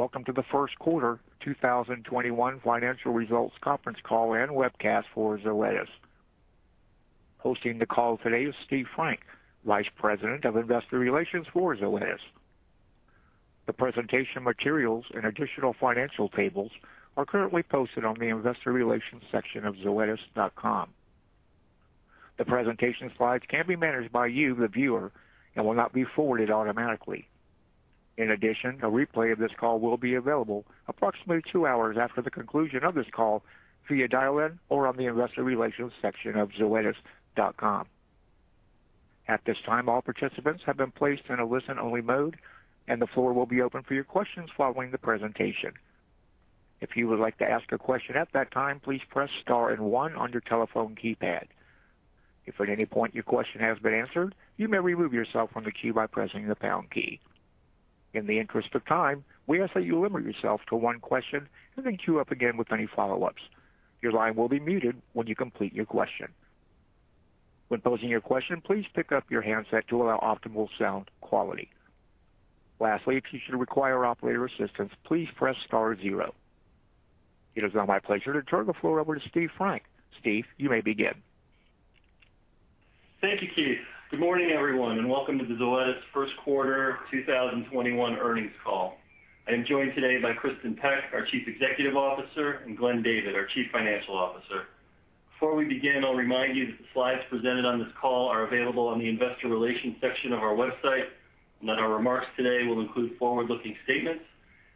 Welcome to the first quarter 2021 financial results conference call and webcast for Zoetis. Hosting the call today is Steve Frank, Vice President of Investor Relations for Zoetis. The presentation materials and additional financial tables are currently posted on the investor relations section of zoetis.com. The presentation slides can be managed by you, the viewer, and will not be forwarded automatically. In addition, a replay of this call will be available approximately two hours after the conclusion of this call via dial-in or on the investor relations section of zoetis.com. At this time, all participants have been placed in a listen-only mode, and the floor will be open for your questions following the presentation. If you would like to ask a question at that time, please press star and one on your telephone keypad. If at any point your question has been answered, you may remove yourself from the queue by pressing the pound key. In the interest of time, we ask that you limit yourself to one question and then queue up again for any follow-ups. Your line will be muted when you complete your question. When posing your question, please pick your handset to allow optimal sound quality. Lastly, should you require operator's assistance, please press star zero. It is now my pleasure to turn the floor over to Steve Frank. Steve, you may begin. Thank you, Keith. Good morning, everyone, and welcome to the Zoetis first quarter 2021 earnings call. I am joined today by Kristin Peck, our Chief Executive Officer, and Glenn David, our Chief Financial Officer. Before we begin, I'll remind you that the slides presented on this call are available on the investor relations section of our website, and that our remarks today will include forward-looking statements,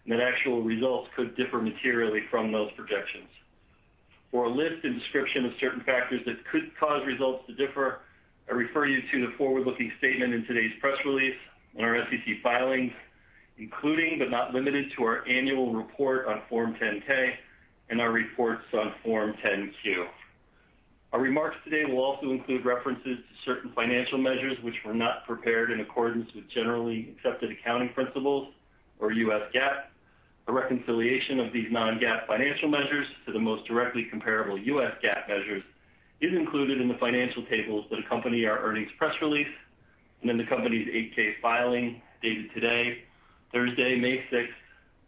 and that actual results could differ materially from those projections. For a list and description of certain factors that could cause results to differ, I refer you to the forward-looking statement in today's press release on our SEC filings, including, but not limited to, our annual report on Form 10-K and our reports on Form 10-Q. Our remarks today will also include references to certain financial measures which were not prepared in accordance with generally accepted accounting principles or U.S. GAAP. A reconciliation of these non-GAAP financial measures to the most directly comparable U.S. GAAP measures is included in the financial tables that accompany our earnings press release, and in the company's 8-K filing dated today, Thursday, May 6,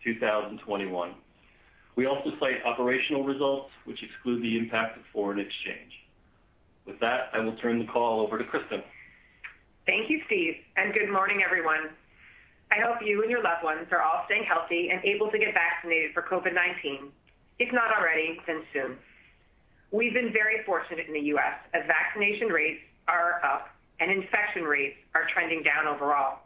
2021. We also cite operational results which exclude the impact of foreign exchange. With that, I will turn the call over to Kristin. Thank you, Steve. Good morning, everyone. I hope you and your loved ones are all staying healthy and able to get vaccinated for COVID-19, if not already, then soon. We've been very fortunate in the U.S. as vaccination rates are up and infection rates are trending down overall.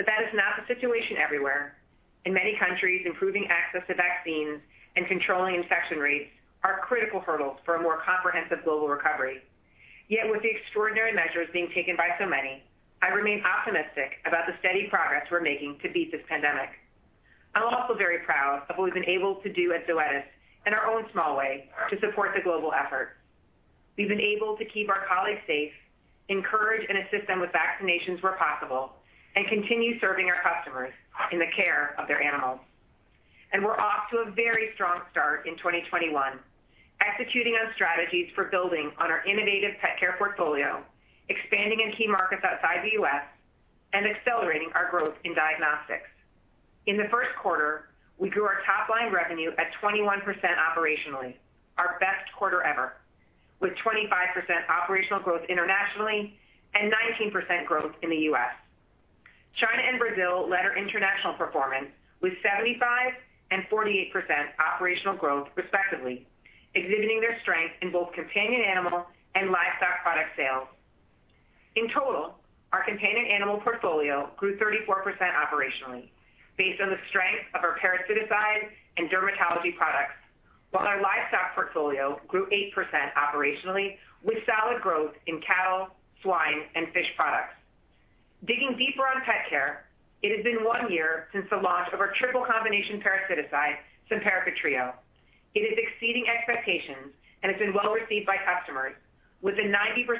That is not the situation everywhere. In many countries, improving access to vaccines and controlling infection rates are critical hurdles for a more comprehensive global recovery. Yet with the extraordinary measures being taken by so many, I remain optimistic about the steady progress we're making to beat this pandemic. I'm also very proud of what we've been able to do at Zoetis in our own small way to support the global effort. We've been able to keep our colleagues safe, encourage and assist them with vaccinations where possible, and continue serving our customers in the care of their animals. We're off to a very strong start in 2021, executing on strategies for building on our innovative pet care portfolio, expanding in key markets outside the U.S., and accelerating our growth in diagnostics. In the first quarter, we grew our top-line revenue at 21% operationally, our best quarter ever, with 25% operational growth internationally and 19% growth in the U.S. China and Brazil led our international performance with 75% and 48% operational growth respectively, exhibiting their strength in both companion animal and livestock product sales. In total, our companion animal portfolio grew 34% operationally based on the strength of our parasiticides and dermatology products. While our livestock portfolio grew 8% operationally with solid growth in cattle, swine, and fish products. Digging deeper on pet care, it has been one year since the launch of our triple combination parasiticides, Simparica Trio. It is exceeding expectations and has been well-received by customers with a 90%+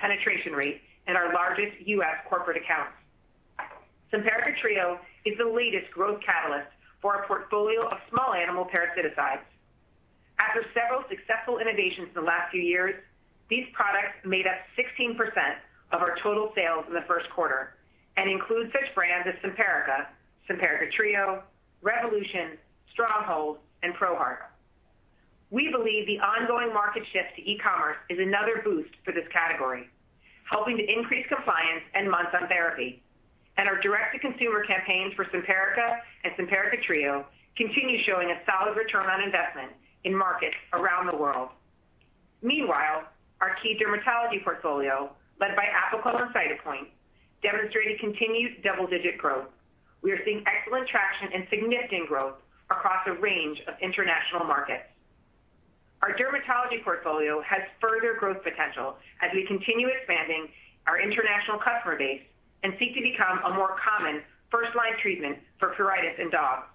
penetration rate in our largest U.S. corporate accounts. Simparica Trio is the latest growth catalyst for our portfolio of small animal parasiticides. After several successful innovations in the last few years, these products made up 16% of our total sales in the first quarter and include such brands as Simparica Trio, Revolution, Stronghold, and ProHeart. Our direct-to-consumer campaigns for Simparica and Simparica Trio continue showing a solid return on investment in markets around the world. Meanwhile, our key dermatology portfolio, led by Apoquel and Cytopoint, demonstrated continued double-digit growth. We are seeing excellent traction and significant growth across a range of international markets. Our dermatology portfolio has further growth potential as we continue expanding our international customer base and seek to become a more common first-line treatment for pruritus in dogs.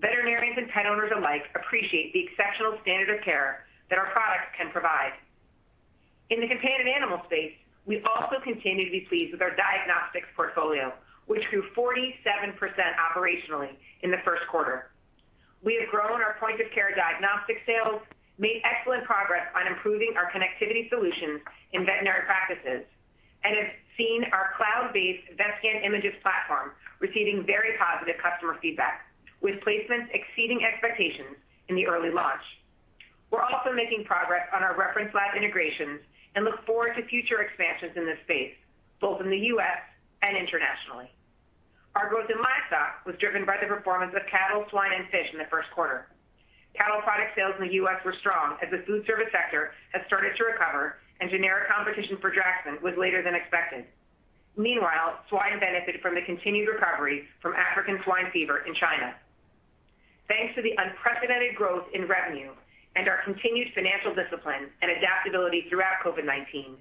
Veterinarians and pet owners alike appreciate the exceptional standard of care that our products can provide. In the companion animal space, we also continue to be pleased with our diagnostics portfolio, which grew 47% operationally in the first quarter. We have grown our point-of-care diagnostic sales, made excellent progress on improving our connectivity solutions in veterinary practices, and have seen our cloud-based Vetscan Imagyst platform receiving very positive customer feedback, with placements exceeding expectations in the early launch. We're also making progress on our reference lab integrations and look forward to future expansions in this space, both in the U.S. and internationally. Our growth in livestock was driven by the performance of cattle, swine, and fish in the first quarter. Cattle product sales in the U.S. were strong as the food service sector has started to recover and generic competition for Draxxin was later than expected. Meanwhile, swine benefited from the continued recovery from African swine fever in China. Thanks to the unprecedented growth in revenue and our continued financial discipline and adaptability throughout COVID-19,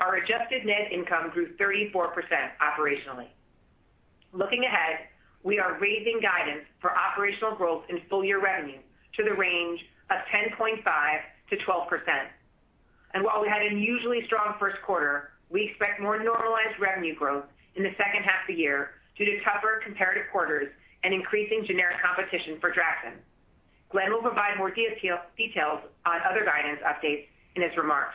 our adjusted net income grew 34% operationally. Looking ahead, we are raising guidance for operational growth in full-year revenue to the range of 10.5%-12%. While we had an unusually strong first quarter, we expect more normalized revenue growth in the second half of the year due to tougher comparative quarters and increasing generic competition for Draxxin. Glenn will provide more details on other guidance updates in his remarks.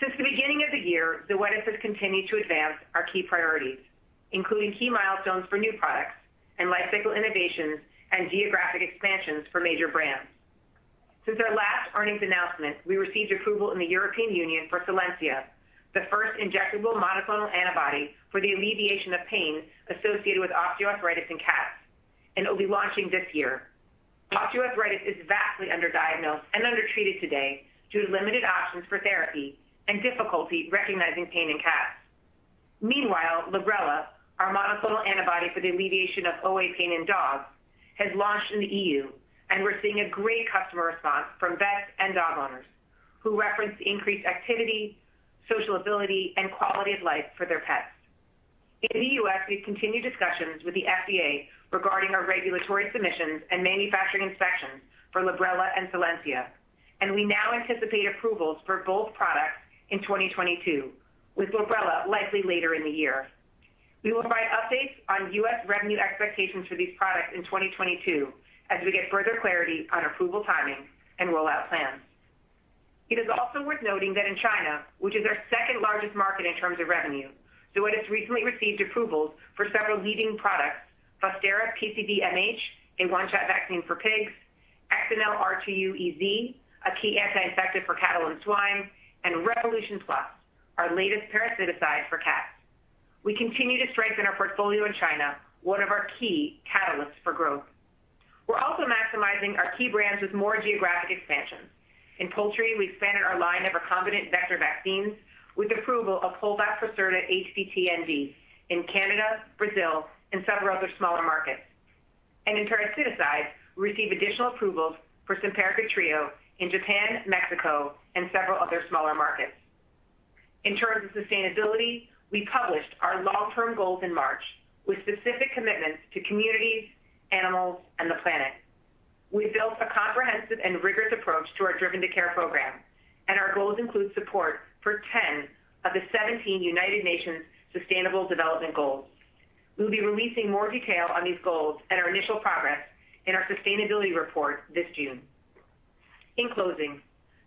Since the beginning of the year, Zoetis has continued to advance our key priorities, including key milestones for new products and life cycle innovations and geographic expansions for major brands. Since our last earnings announcement, we received approval in the European Union for Solensia, the first injectable monoclonal antibody for the alleviation of pain associated with osteoarthritis in cats, and it will be launching this year. osteoarthritis is vastly under-diagnosed and under-treated today due to limited options for therapy and difficulty recognizing pain in cats. Meanwhile, Librela, our monoclonal antibody for the alleviation of OA pain in dogs, has launched in the EU, and we're seeing a great customer response from vets and dog owners who reference increased activity, social ability, and quality of life for their pets. In the U.S., we've continued discussions with the FDA regarding our regulatory submissions and manufacturing inspections for Librela and Solensia, and we now anticipate approvals for both products in 2022, with Librela likely later in the year. We will provide updates on U.S. revenue expectations for these products in 2022 as we get further clarity on approval timing and rollout plans. It is also worth noting that in China, which is our second-largest market in terms of revenue, Zoetis recently received approvals for several leading products: Fostera PCV MH, a one-shot vaccine for pigs; Excenel RTU EZ, a key anti-infective for cattle and swine; and Revolution Plus, our latest parasiticide for cats. We continue to strengthen our portfolio in China, one of our key catalysts for growth. We're also maximizing our key brands with more geographic expansion. In poultry, we expanded our line of recombinant vector vaccines with approval of Poulvac Procerta HVT-IBD in Canada, Brazil, and several other smaller markets. In parasiticides, we received additional approvals for Simparica Trio in Japan, Mexico, and several other smaller markets. In terms of sustainability, we published our long-term goals in March with specific commitments to communities, animals, and the planet. We built a comprehensive and rigorous approach to our Driven to Care program, and our goals include support for 10 of the 17 United Nations Sustainable Development Goals. We'll be releasing more detail on these goals and our initial progress in our sustainability report this June. In closing,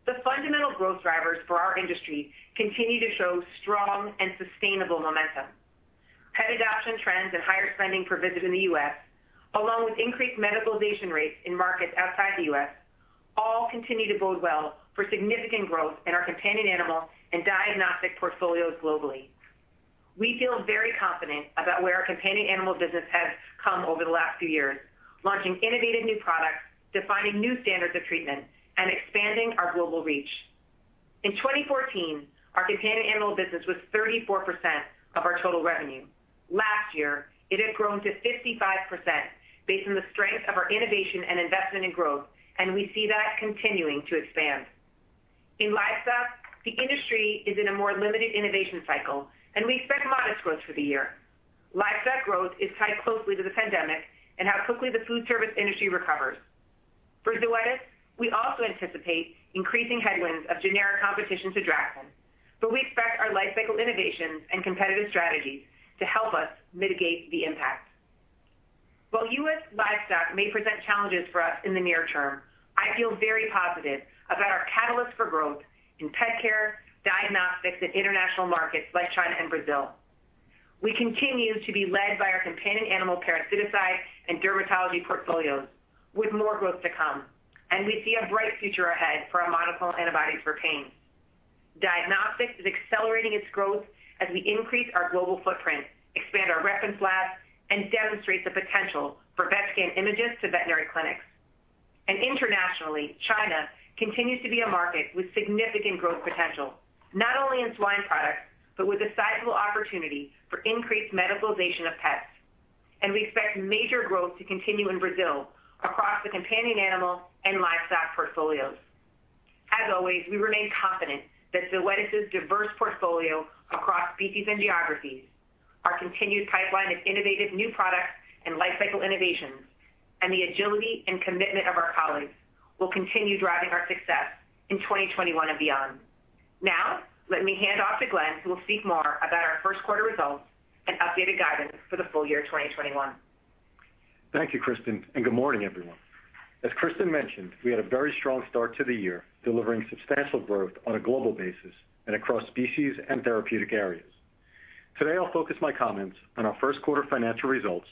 the fundamental growth drivers for our industry continue to show strong and sustainable momentum. Pet adoption trends and higher spending per visit in the U.S., along with increased medicalization rates in markets outside the U.S., all continue to bode well for significant growth in our companion animal and diagnostic portfolios globally. We feel very confident about where our companion animal business has come over the last few years, launching innovative new products, defining new standards of treatment, and expanding our global reach. In 2014, our companion animal business was 34% of our total revenue. Last year, it had grown to 55% based on the strength of our innovation and investment in growth. We see that continuing to expand. In livestock, the industry is in a more limited innovation cycle. We expect modest growth for the year. Livestock growth is tied closely to the pandemic and how quickly the food service industry recovers. For Zoetis, we also anticipate increasing headwinds of generic competition to Draxxin, but we expect our life cycle innovations and competitive strategies to help us mitigate the impact. While U.S. livestock may present challenges for us in the near term, I feel very positive about our catalyst for growth in pet care, diagnostics, and international markets like China and Brazil. We continue to be led by our companion animal parasiticide and dermatology portfolios with more growth to come, and we see a bright future ahead for our monoclonal antibodies for pain. Diagnostics is accelerating its growth as we increase our global footprint, expand our reference labs, and demonstrate the potential for Vetscan Imagyst to veterinary clinics. Internationally, China continues to be a market with significant growth potential, not only in swine products, but with a sizable opportunity for increased medicalization of pets. We expect major growth to continue in Brazil across the companion animal and livestock portfolios. As always, we remain confident that Zoetis' diverse portfolio across species and geographies, our continued pipeline of innovative new products and life cycle innovations, and the agility and commitment of our colleagues will continue driving our success in 2021 and beyond. Now, let me hand off to Glenn, who will speak more about our first quarter results and updated guidance for the full year 2021. Thank you, Kristin. Good morning, everyone. As Kristin mentioned, we had a very strong start to the year, delivering substantial growth on a global basis and across species and therapeutic areas. Today, I'll focus my comments on our first quarter financial results,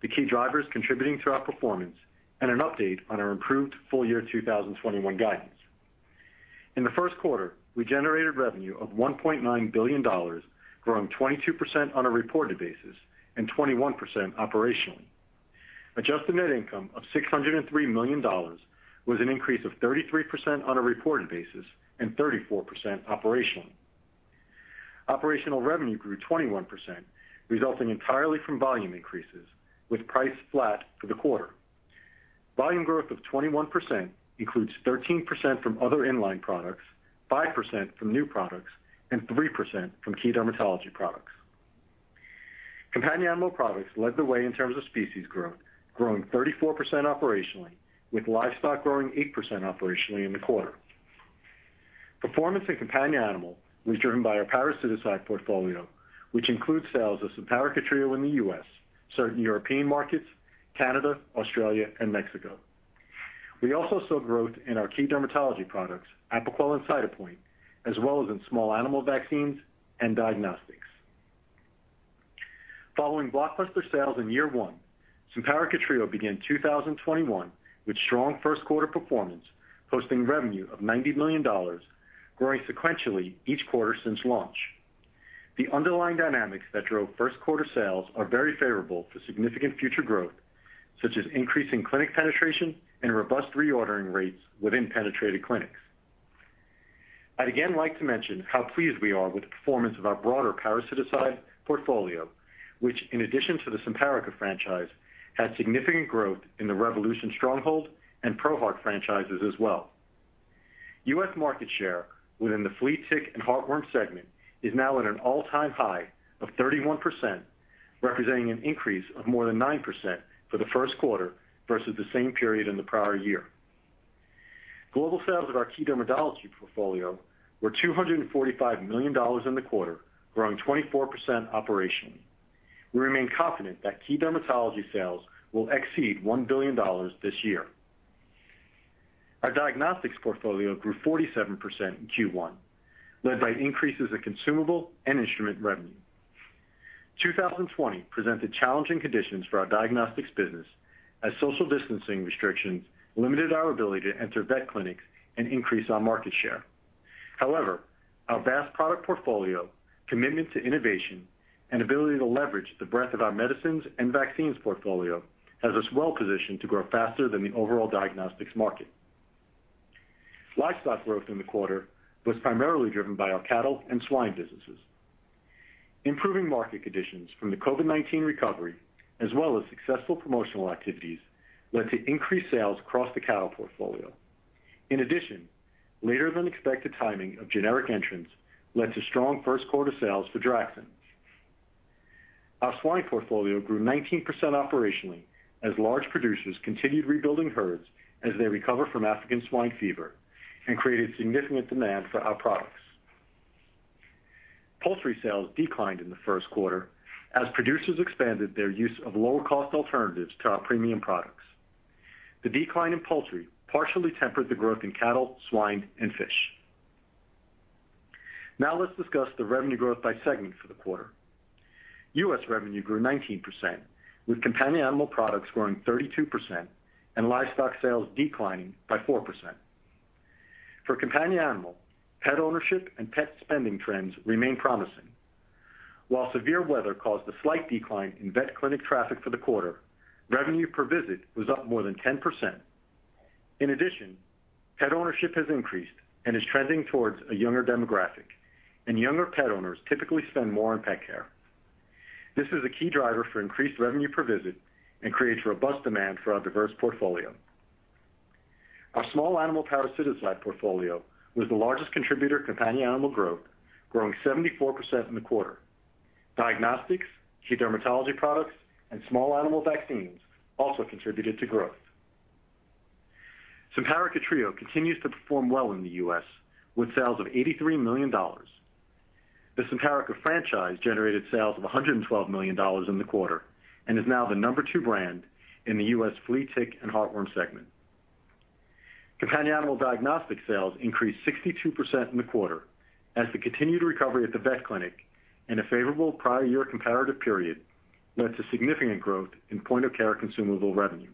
the key drivers contributing to our performance, and an update on our improved full-year 2021 guidance. In the first quarter, we generated revenue of $1.9 billion, growing 22% on a reported basis and 21% operationally. Adjusted net income of $603 million was an increase of 33% on a reported basis and 34% operationally. Operational revenue grew 21%, resulting entirely from volume increases, with price flat for the quarter. Volume growth of 21% includes 13% from other in-line products, 5% from new products, and 3% from key dermatology products. Companion animal products led the way in terms of species growth, growing 34% operationally, with livestock growing 8% operationally in the quarter. Performance in companion animal was driven by our parasiticide portfolio, which includes sales of Simparica Trio in the U.S., certain European markets, Canada, Australia, and Mexico. We also saw growth in our key dermatology products, Apoquel and Cytopoint, as well as in small animal vaccines and diagnostics. Following blockbuster sales in year one, Simparica Trio began 2021 with strong first quarter performance, posting revenue of $90 million, growing sequentially each quarter since launch. The underlying dynamics that drove first quarter sales are very favorable for significant future growth, such as increasing clinic penetration and robust reordering rates within penetrated clinics. I'd again like to mention how pleased we are with the performance of our broader parasiticide portfolio, which, in addition to the Simparica franchise, had significant growth in the Revolution, Stronghold, and ProHeart franchises as well. U.S. market share within the flea, tick, and heartworm segment is now at an all-time high of 31%, representing an increase of more than 9% for the first quarter versus the same period in the prior year. Global sales of our key dermatology portfolio were $245 million in the quarter, growing 24% operationally. We remain confident that key dermatology sales will exceed $1 billion this year. Our diagnostics portfolio grew 47% in Q1, led by increases in consumable and instrument revenue. 2020 presented challenging conditions for our diagnostics business as social distancing restrictions limited our ability to enter vet clinics and increase our market share. However, our vast product portfolio, commitment to innovation, and ability to leverage the breadth of our medicines and vaccines portfolio has us well-positioned to grow faster than the overall diagnostics market. Livestock growth in the quarter was primarily driven by our cattle and swine businesses. Improving market conditions from the COVID-19 recovery, as well as successful promotional activities, led to increased sales across the cattle portfolio. In addition, later than expected timing of generic entrants led to strong first quarter sales for Draxxin. Our swine portfolio grew 19% operationally as large producers continued rebuilding herds as they recover from African swine fever and created significant demand for our products. Poultry sales declined in the first quarter as producers expanded their use of lower-cost alternatives to our premium products. The decline in poultry partially tempered the growth in cattle, swine, and fish. Now let's discuss the revenue growth by segment for the quarter. U.S. revenue grew 19%, with companion animal products growing 32% and livestock sales declining by 4%. For companion animal, pet ownership and pet spending trends remain promising. While severe weather caused a slight decline in vet clinic traffic for the quarter, revenue per visit was up more than 10%. In addition, pet ownership has increased and is trending towards a younger demographic, and younger pet owners typically spend more on pet care. This is a key driver for increased revenue per visit and creates robust demand for our diverse portfolio. Our small animal parasiticide portfolio was the largest contributor to companion animal growth, growing 74% in the quarter. Diagnostics, key dermatology products, and small animal vaccines also contributed to growth. Simparica Trio continues to perform well in the U.S., with sales of $83 million. The Simparica franchise generated sales of $112 million in the quarter and is now the number 2 brand in the U.S. flea, tick, and heartworm segment. Companion animal diagnostic sales increased 62% in the quarter as the continued recovery at the vet clinic and a favorable prior year comparative period led to significant growth in point-of-care consumable revenue.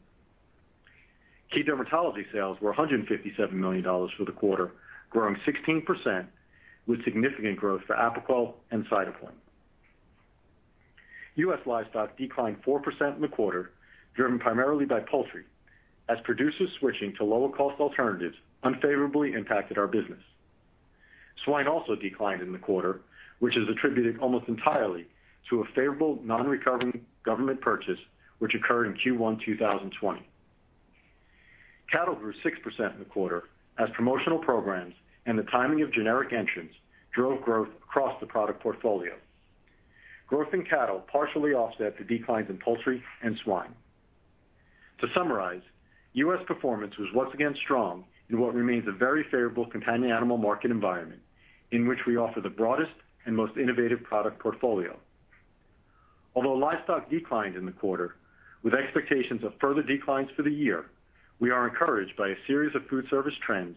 Key dermatology sales were $157 million for the quarter, growing 16%, with significant growth for Apoquel and Cytopoint. U.S. livestock declined 4% in the quarter, driven primarily by poultry, as producers switching to lower-cost alternatives unfavorably impacted our business. Swine also declined in the quarter, which is attributed almost entirely to a favorable non-recurring government purchase which occurred in Q1 2020. Cattle grew 6% in the quarter as promotional programs and the timing of generic entrants drove growth across the product portfolio. Growth in cattle partially offset the declines in poultry and swine. To summarize, U.S. performance was once again strong in what remains a very favorable companion animal market environment in which we offer the broadest and most innovative product portfolio. Although livestock declined in the quarter, with expectations of further declines for the year, we are encouraged by a series of food service trends,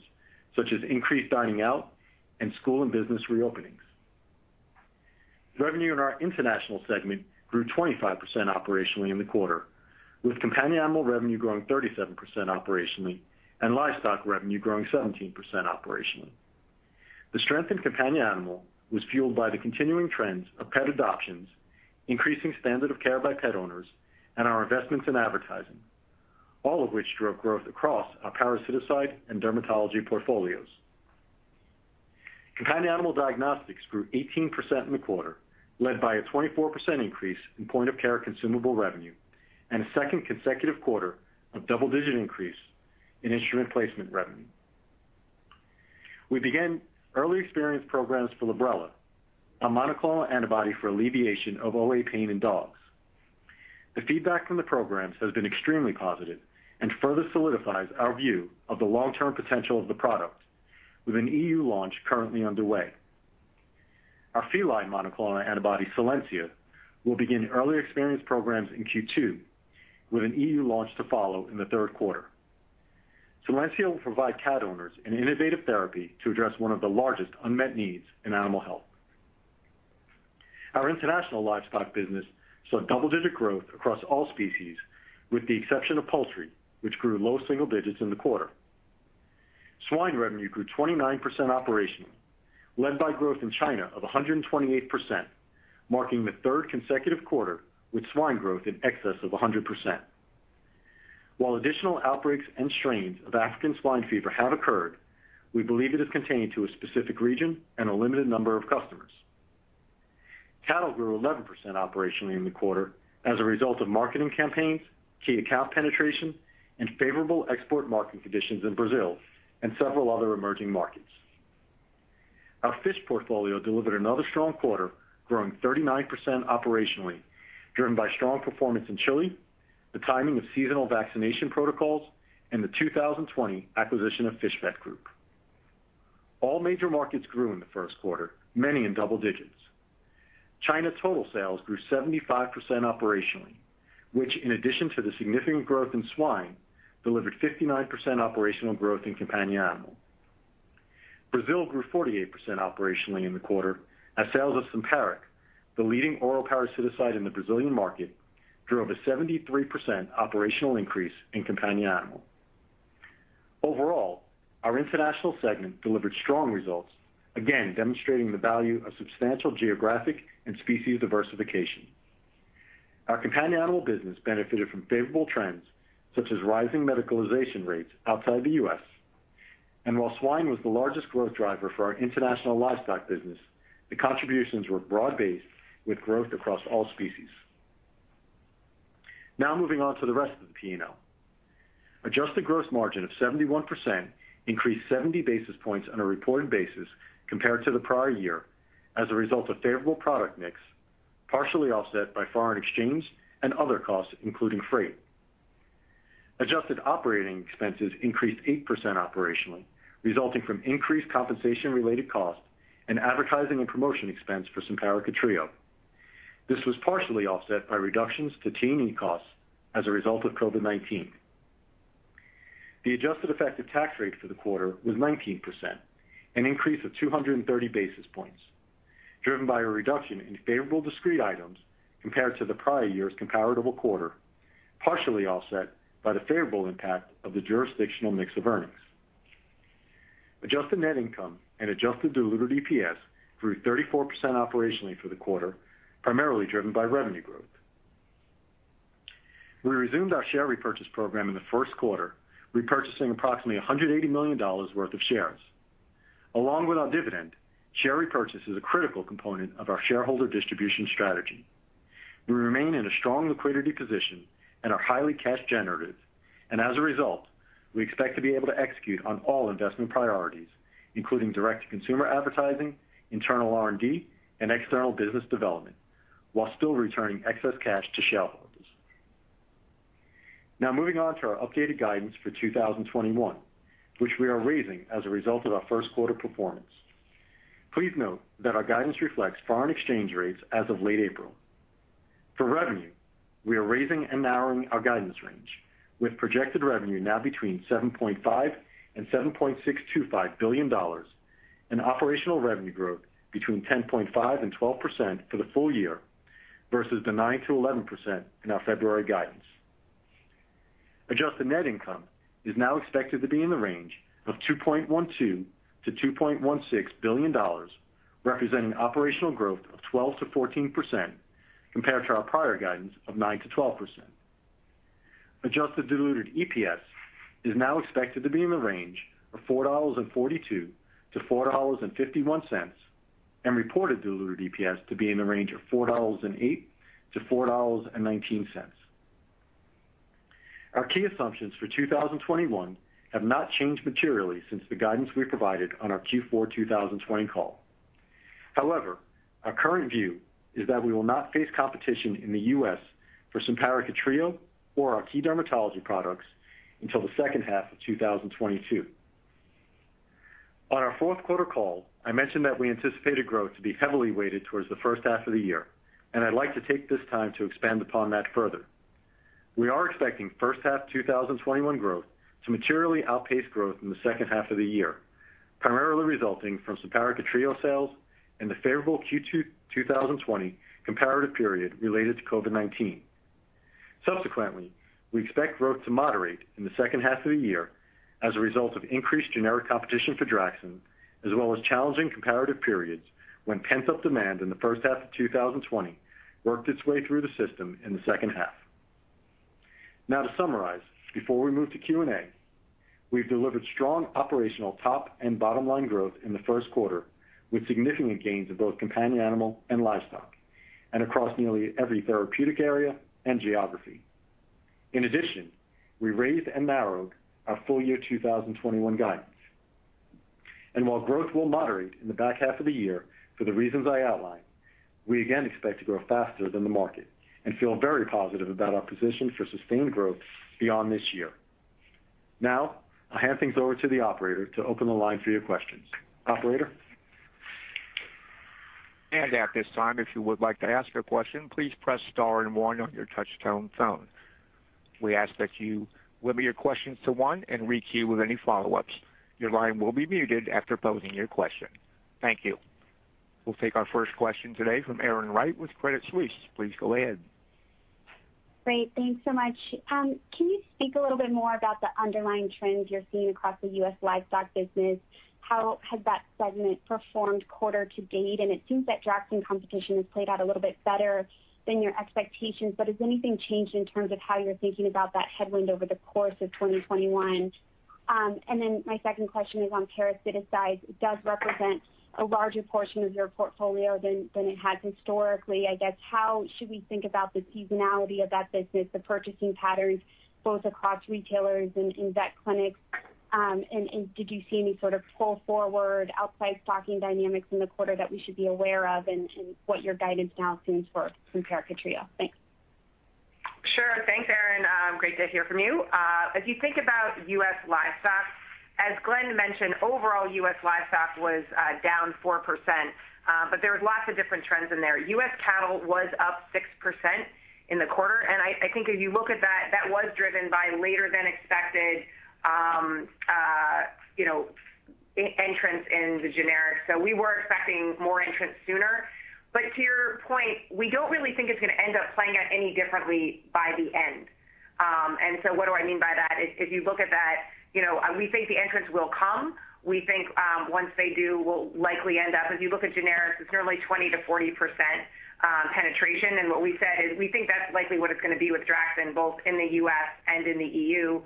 such as increased dining out and school and business reopenings. Revenue in our international segment grew 25% operationally in the quarter, with companion animal revenue growing 37% operationally and livestock revenue growing 17% operationally. The strength in companion animal was fueled by the continuing trends of pet adoptions, increasing standard of care by pet owners, and our investments in advertising, all of which drove growth across our parasiticide and dermatology portfolios. Companion animal diagnostics grew 18% in the quarter, led by a 24% increase in point-of-care consumable revenue and a second consecutive quarter of double-digit increase in instrument placement revenue. We began early experience programs for Librela, a monoclonal antibody for alleviation of OA pain in dogs. The feedback from the programs has been extremely positive and further solidifies our view of the long-term potential of the product with an EU launch currently underway. Our feline monoclonal antibody, Solensia, will begin early experience programs in Q2 with an EU launch to follow in the third quarter. Solensia will provide cat owners an innovative therapy to address one of the largest unmet needs in animal health. Our international livestock business saw double-digit growth across all species, with the exception of poultry, which grew low single digits in the quarter. Swine revenue grew 29% operationally, led by growth in China of 128%, marking the third consecutive quarter with swine growth in excess of 100%. While additional outbreaks and strains of African swine fever have occurred, we believe it is contained to a specific region and a limited number of customers. Cattle grew 11% operationally in the quarter as a result of marketing campaigns, key account penetration, and favorable export market conditions in Brazil and several other emerging markets. Our fish portfolio delivered another strong quarter, growing 39% operationally, driven by strong performance in Chile, the timing of seasonal vaccination protocols, and the 2020 acquisition of Fish Vet Group. All major markets grew in the first quarter, many in double digits. China total sales grew 75% operationally, which, in addition to the significant growth in swine, delivered 59% operational growth in companion animal. Brazil grew 48% operationally in the quarter as sales of Simparica, the leading oral parasiticide in the Brazilian market, drove a 73% operational increase in companion animal. Overall, our international segment delivered strong results, again demonstrating the value of substantial geographic and species diversification. Our companion animal business benefited from favorable trends such as rising medicalization rates outside the U.S. While swine was the largest growth driver for our international livestock business, the contributions were broad-based with growth across all species. Now moving on to the rest of the P&L. Adjusted gross margin of 71% increased 70 basis points on a reported basis compared to the prior year as a result of favorable product mix, partially offset by foreign exchange and other costs, including freight. Adjusted operating expenses increased 8% operationally, resulting from increased compensation-related costs and advertising and promotion expense for Simparica Trio. This was partially offset by reductions to team costs as a result of COVID-19. The adjusted effective tax rate for the quarter was 19%, an increase of 230 basis points, driven by a reduction in favorable discrete items compared to the prior year's comparable quarter, partially offset by the favorable impact of the jurisdictional mix of earnings. Adjusted net income and adjusted diluted EPS grew 34% operationally for the quarter, primarily driven by revenue growth. We resumed our share repurchase program in the first quarter, repurchasing approximately $180 million worth of shares. Along with our dividend, share repurchase is a critical component of our shareholder distribution strategy. We remain in a strong liquidity position and are highly cash generative, and as a result, we expect to be able to execute on all investment priorities, including direct-to-consumer advertising, internal R&D, and external business development, while still returning excess cash to shareholders. Now moving on to our updated guidance for 2021, which we are raising as a result of our first quarter performance. Please note that our guidance reflects foreign exchange rates as of late April. For revenue, we are raising and narrowing our guidance range with projected revenue now between $7.5 and $7.625 billion and operational revenue growth between 10.5% and 12% for the full year versus the 9%-11% in our February guidance. Adjusted net income is now expected to be in the range of $2.12 billion-$2.16 billion, representing operational growth of 12%-14% compared to our prior guidance of 9%-12%. Adjusted diluted EPS is now expected to be in the range of $4.42-$4.51, and reported diluted EPS to be in the range of $4.08-$4.19. Our key assumptions for 2021 have not changed materially since the guidance we provided on our Q4 2020 call. However, our current view is that we will not face competition in the U.S. for Simparica Trio or our key dermatology products until the second half of 2022. On our fourth quarter call, I mentioned that we anticipated growth to be heavily weighted towards the first half of the year, and I'd like to take this time to expand upon that further. We are expecting first half 2021 growth to materially outpace growth in the second half of the year, primarily resulting from Simparica Trio sales and the favorable Q2 2020 comparative period related to COVID-19. Subsequently, we expect growth to moderate in the second half of the year as a result of increased generic competition for Draxxin, as well as challenging comparative periods when pent-up demand in the first half of 2020 worked its way through the system in the second half. To summarize, before we move to Q&A, we've delivered strong operational top and bottom-line growth in the first quarter with significant gains in both companion animal and livestock, and across nearly every therapeutic area and geography. In addition, we raised and narrowed our full-year 2021 guidance. While growth will moderate in the back half of the year for the reasons I outlined, we again expect to grow faster than the market and feel very positive about our position for sustained growth beyond this year. I'll hand things over to the operator to open the line for your questions. Operator? At this time, if you would like to ask a question, please press star and one on your touch tone phone. We ask that you limit your questions to one and re-queue with any follow-ups. Your line will be muted after posing your question. Thank you. We'll take our first question today from Erin Wright with Credit Suisse. Please go ahead. Great. Thanks so much. Can you speak a little bit more about the underlying trends you're seeing across the U.S. livestock business? How has that segment performed quarter to date? It seems that Draxxin competition has played out a little bit better than your expectations, but has anything changed in terms of how you're thinking about that headwind over the course of 2021? My second question is on parasiticides. It does represent a larger portion of your portfolio than it has historically. I guess how should we think about the seasonality of that business, the purchasing patterns, both across retailers and in vet clinics? Did you see any sort of pull forward outside stocking dynamics in the quarter that we should be aware of, and what your guidance now seems for Simparica Trio? Thanks. Sure. Thanks, Erin. Great to hear from you. If you think about U.S. livestock, as Glenn mentioned, overall U.S. livestock was down 4%, but there was lots of different trends in there. U.S. cattle was up 6% in the quarter. I think if you look at that was driven by later than expected entrance in the generics. We were expecting more entrance sooner. To your point, we don't really think it's going to end up playing out any differently by the end. What do I mean by that? If you look at that, we think the entrance will come. We think, once they do, we'll likely end up, if you look at generics, it's normally 20%-40% penetration. What we said is we think that's likely what it's going to be with Draxxin, both in the U.S. and in the EU,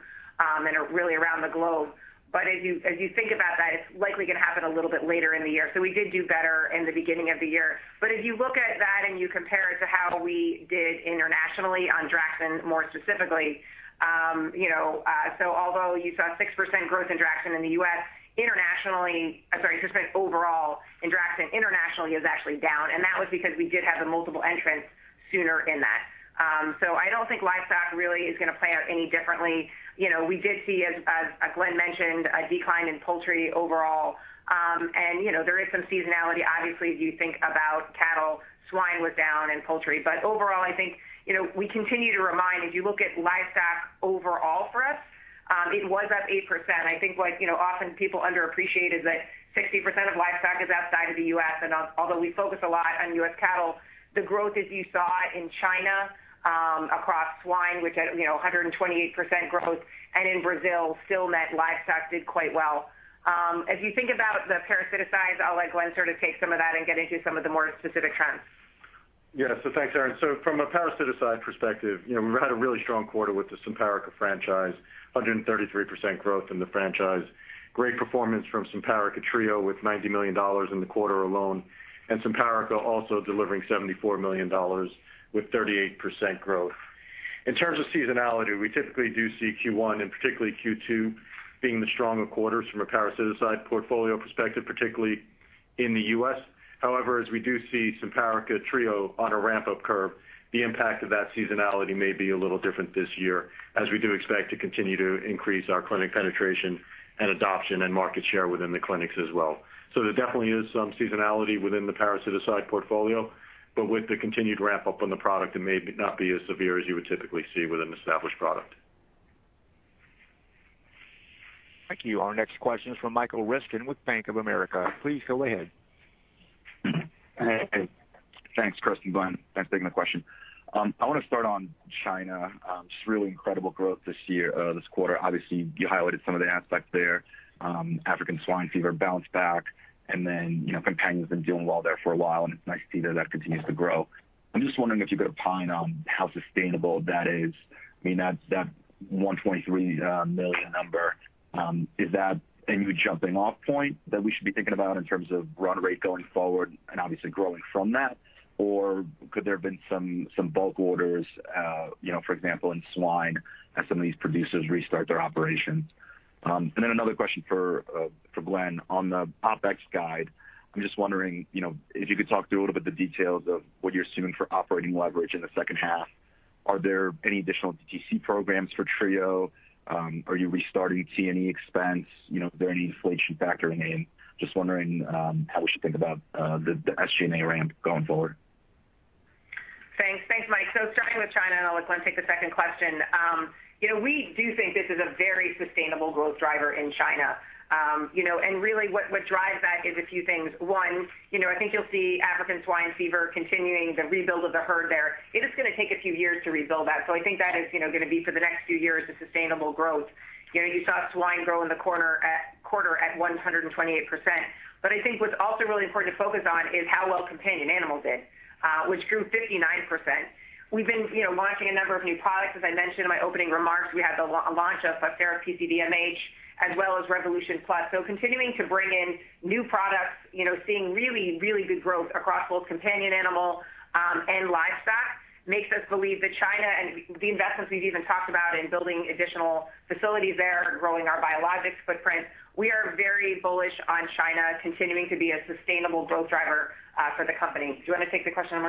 and really around the globe. As you think about that, it's likely going to happen a little bit later in the year. We did do better in the beginning of the year. If you look at that and you compare it to how we did internationally on Draxxin more specifically, although you saw 6% growth in Draxxin in the U.S., internationally-- I'm sorry, 6% overall in Draxxin, internationally it was actually down, and that was because we did have the multiple entrants sooner in that. I don't think livestock really is going to play out any differently. We did see, as Glenn mentioned, a decline in poultry overall. There is some seasonality, obviously, if you think about cattle, swine was down and poultry. Overall, I think, we continue to remind, if you look at livestock overall for us, it was up 8%. I think what often people underappreciate is that 60% of livestock is outside of the U.S., and although we focus a lot on U.S. cattle, the growth as you saw in China across swine, which had 128% growth, and in Brazil still meant livestock did quite well. If you think about the parasiticides, I'll let Glenn sort of take some of that and get into some of the more specific trends. Yeah. Thanks, Erin. From a parasiticide perspective, we've had a really strong quarter with the Simparica franchise, 133% growth in the franchise. Great performance from Simparica Trio with $90 million in the quarter alone, and Simparica also delivering $74 million with 38% growth. In terms of seasonality, we typically do see Q1 and particularly Q2 being the stronger quarters from a parasiticide portfolio perspective, particularly in the U.S. However, as we do see Simparica Trio on a ramp-up curve, the impact of that seasonality may be a little different this year, as we do expect to continue to increase our clinic penetration and adoption and market share within the clinics as well. There definitely is some seasonality within the parasiticide portfolio, but with the continued ramp-up on the product, it may not be as severe as you would typically see with an established product. Thank you. Our next question is from Michael Ryskin with Bank of America. Please go ahead. Hey. Thanks, Chris and Glenn. Thanks for taking the question. I want to start on China. Just really incredible growth this quarter. Obviously, you highlighted some of the aspects there. African swine fever bounced back, and then companion's been doing well there for a while, and it's nice to see that continues to grow. I'm just wondering if you could opine on how sustainable that is. I mean, that $123 million number, is that a new jumping-off point that we should be thinking about in terms of run rate going forward and obviously growing from that? Could there have been some bulk orders, for example, in swine as some of these producers restart their operations? Another question for Glenn. On the OpEx guide, I'm just wondering if you could talk through a little bit the details of what you're assuming for operating leverage in the second half. Are there any additional DTC programs for Trio? Are you restarting T&E expense? Are there any inflation factor? Just wondering how we should think about the SG&A ramp going forward. Thanks, Mike. Starting with China, and I'll let Glenn take the second question. We do think this is a very sustainable growth driver in China. Really what drives that is a few things. One, I think you'll see African swine fever continuing the rebuild of the herd there. It is going to take a few years to rebuild that. I think that is, going to be for the next few years, a sustainable growth. You saw swine grow in the quarter at 128%. I think what's also really important to focus on is how well companion animal did, which grew 59%. We've been launching a number of new products, as I mentioned in my opening remarks. We had the launch of Fostera PCV MH as well as Revolution Plus. Continuing to bring in new products, seeing really, really good growth across both companion animal and livestock makes us believe that China and the investments we've even talked about in building additional facilities there, growing our biologics footprint, we are very bullish on China continuing to be a sustainable growth driver for the company. Do you want to take the question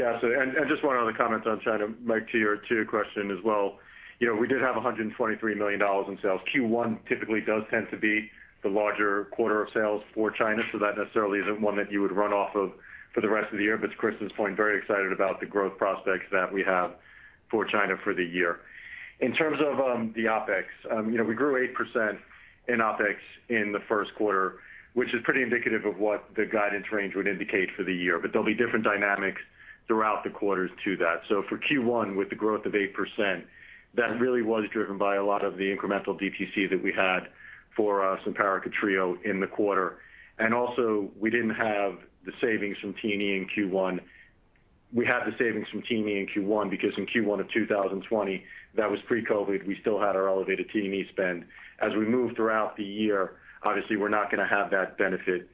on the rest? Just one other comment on China, Mike, to your question as well. We did have $123 million in sales. Q1 typically does tend to be the larger quarter of sales for China, that necessarily isn't one that you would run off of for the rest of the year. To Kristin Peck's point, very excited about the growth prospects that we have for China for the year. In terms of the OpEx, we grew 8% in OpEx in the first quarter, which is pretty indicative of what the guidance range would indicate for the year. There'll be different dynamics throughout the quarters to that. For Q1, with the growth of 8%, that really was driven by a lot of the incremental DTC that we had for Simparica Trio in the quarter. Also we didn't have the savings from T&E in Q1. We had the savings from T&E in Q1 because in Q1 of 2020, that was pre-COVID. We still had our elevated T&E spend. As we move throughout the year, obviously, we're not going to have that benefit.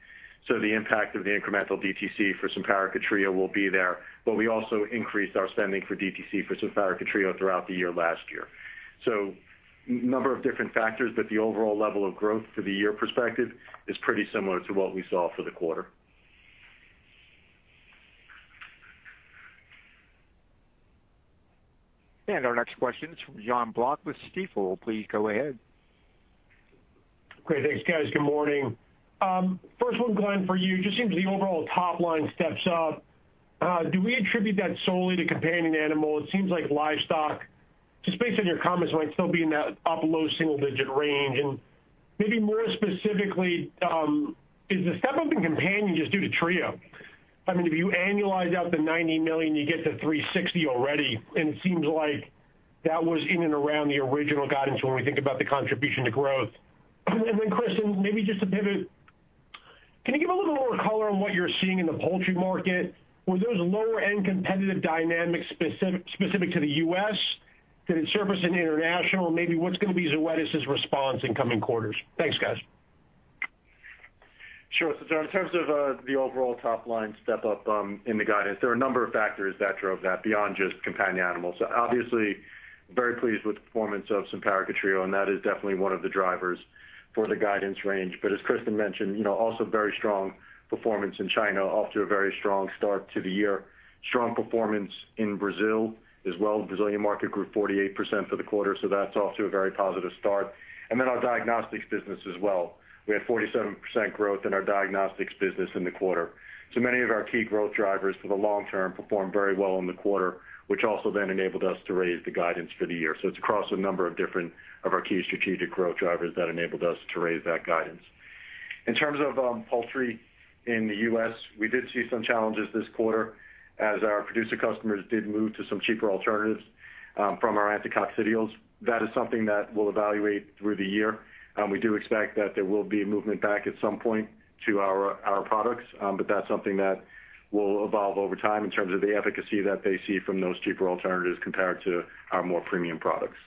The impact of the incremental DTC for Simparica Trio will be there. We also increased our spending for DTC for Simparica Trio throughout the year last year. A number of different factors, but the overall level of growth for the year perspective is pretty similar to what we saw for the quarter. Our next question is from Jon Block with Stifel. Please go ahead. Seems the overall top line steps up. Do we attribute that solely to companion animal? It seems like livestock, just based on your comments, might still be in that upper low single-digit range. Maybe more specifically, is the step-up in companion just due to Trio? If you annualize out the $90 million, you get to $360 already, and it seems like that was in and around the original guidance when we think about the contribution to growth. Kristin, maybe just to pivot, can you give a little more color on what you're seeing in the poultry market? Were those lower-end competitive dynamics specific to the U.S.? Did it surface in international? Maybe what's going to be Zoetis' response in coming quarters? Thanks, guys. Sure. In terms of the overall top-line step-up in the guidance, there are a number of factors that drove that beyond just companion animals. Obviously, very pleased with the performance of Simparica Trio, and that is definitely one of the drivers for the guidance range. As Kristin mentioned, also very strong performance in China, off to a very strong start to the year. Strong performance in Brazil as well. Brazilian market grew 48% for the quarter, so that's off to a very positive start. Our diagnostics business as well. We had 47% growth in our diagnostics business in the quarter. Many of our key growth drivers for the long term performed very well in the quarter, which also then enabled us to raise the guidance for the year. It's across a number of different of our key strategic growth drivers that enabled us to raise that guidance. In terms of poultry in the U.S., we did see some challenges this quarter as our producer customers did move to some cheaper alternatives from our anticoccidials. That is something that we'll evaluate through the year. We do expect that there will be movement back at some point to our products. That's something that will evolve over time in terms of the efficacy that they see from those cheaper alternatives compared to our more premium products.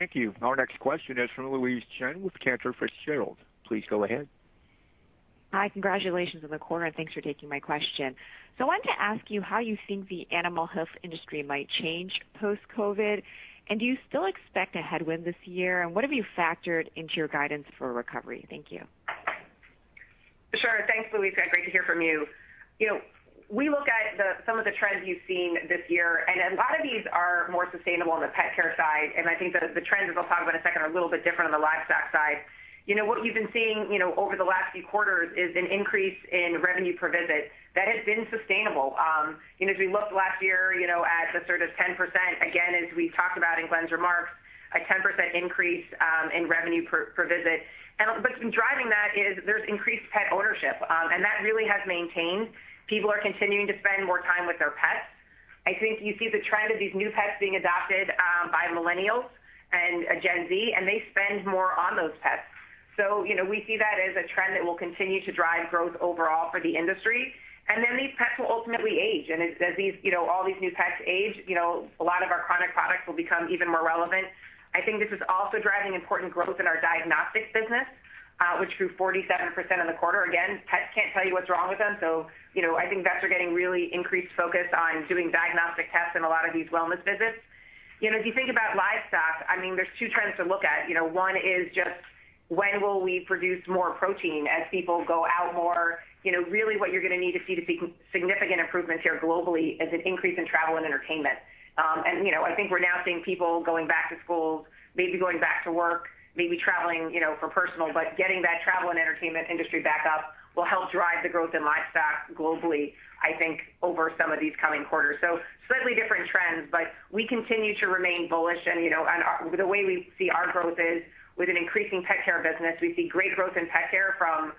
Thank you. Our next question is from Louise Chen with Cantor Fitzgerald. Please go ahead. Hi, congratulations on the quarter, and thanks for taking my question. I wanted to ask you how you think the animal health industry might change post-COVID, and do you still expect a headwind this year, and what have you factored into your guidance for recovery? Thank you. Sure. Thanks, Louise. Great to hear from you. We look at some of the trends you've seen this year, a lot of these are more sustainable on the pet care side, I think the trends, which I'll talk about in a second, are a little bit different on the livestock side. What you've been seeing, over the last few quarters is an increase in revenue per visit that has been sustainable. As we looked last year at the sort of 10%, again, as we've talked about in Glenn's remarks, a 10% increase in revenue per visit. Driving that is there's increased pet ownership, that really has maintained. People are continuing to spend more time with their pets. I think you see the trend of these new pets being adopted by Millennials and Gen Z, they spend more on those pets. We see that as a trend that will continue to drive growth overall for the industry. These pets will ultimately age, and as all these new pets age, a lot of our chronic products will become even more relevant. I think this is also driving important growth in our diagnostics business, which grew 47% in the quarter. Again, pets can't tell you what's wrong with them, so I think vets are getting really increased focus on doing diagnostic tests in a lot of these wellness visits. If you think about livestock, there's two trends to look at. One is just when will we produce more protein as people go out more? Really what you're going to need to see to significant improvements here globally is an increase in T&E. I think we're now seeing people going back to schools, maybe going back to work, maybe traveling for personal, but getting that travel and entertainment industry back up will help drive the growth in livestock globally, I think, over some of these coming quarters. Slightly different trends, but we continue to remain bullish and the way we see our growth is with an increasing pet care business. We see great growth in pet care from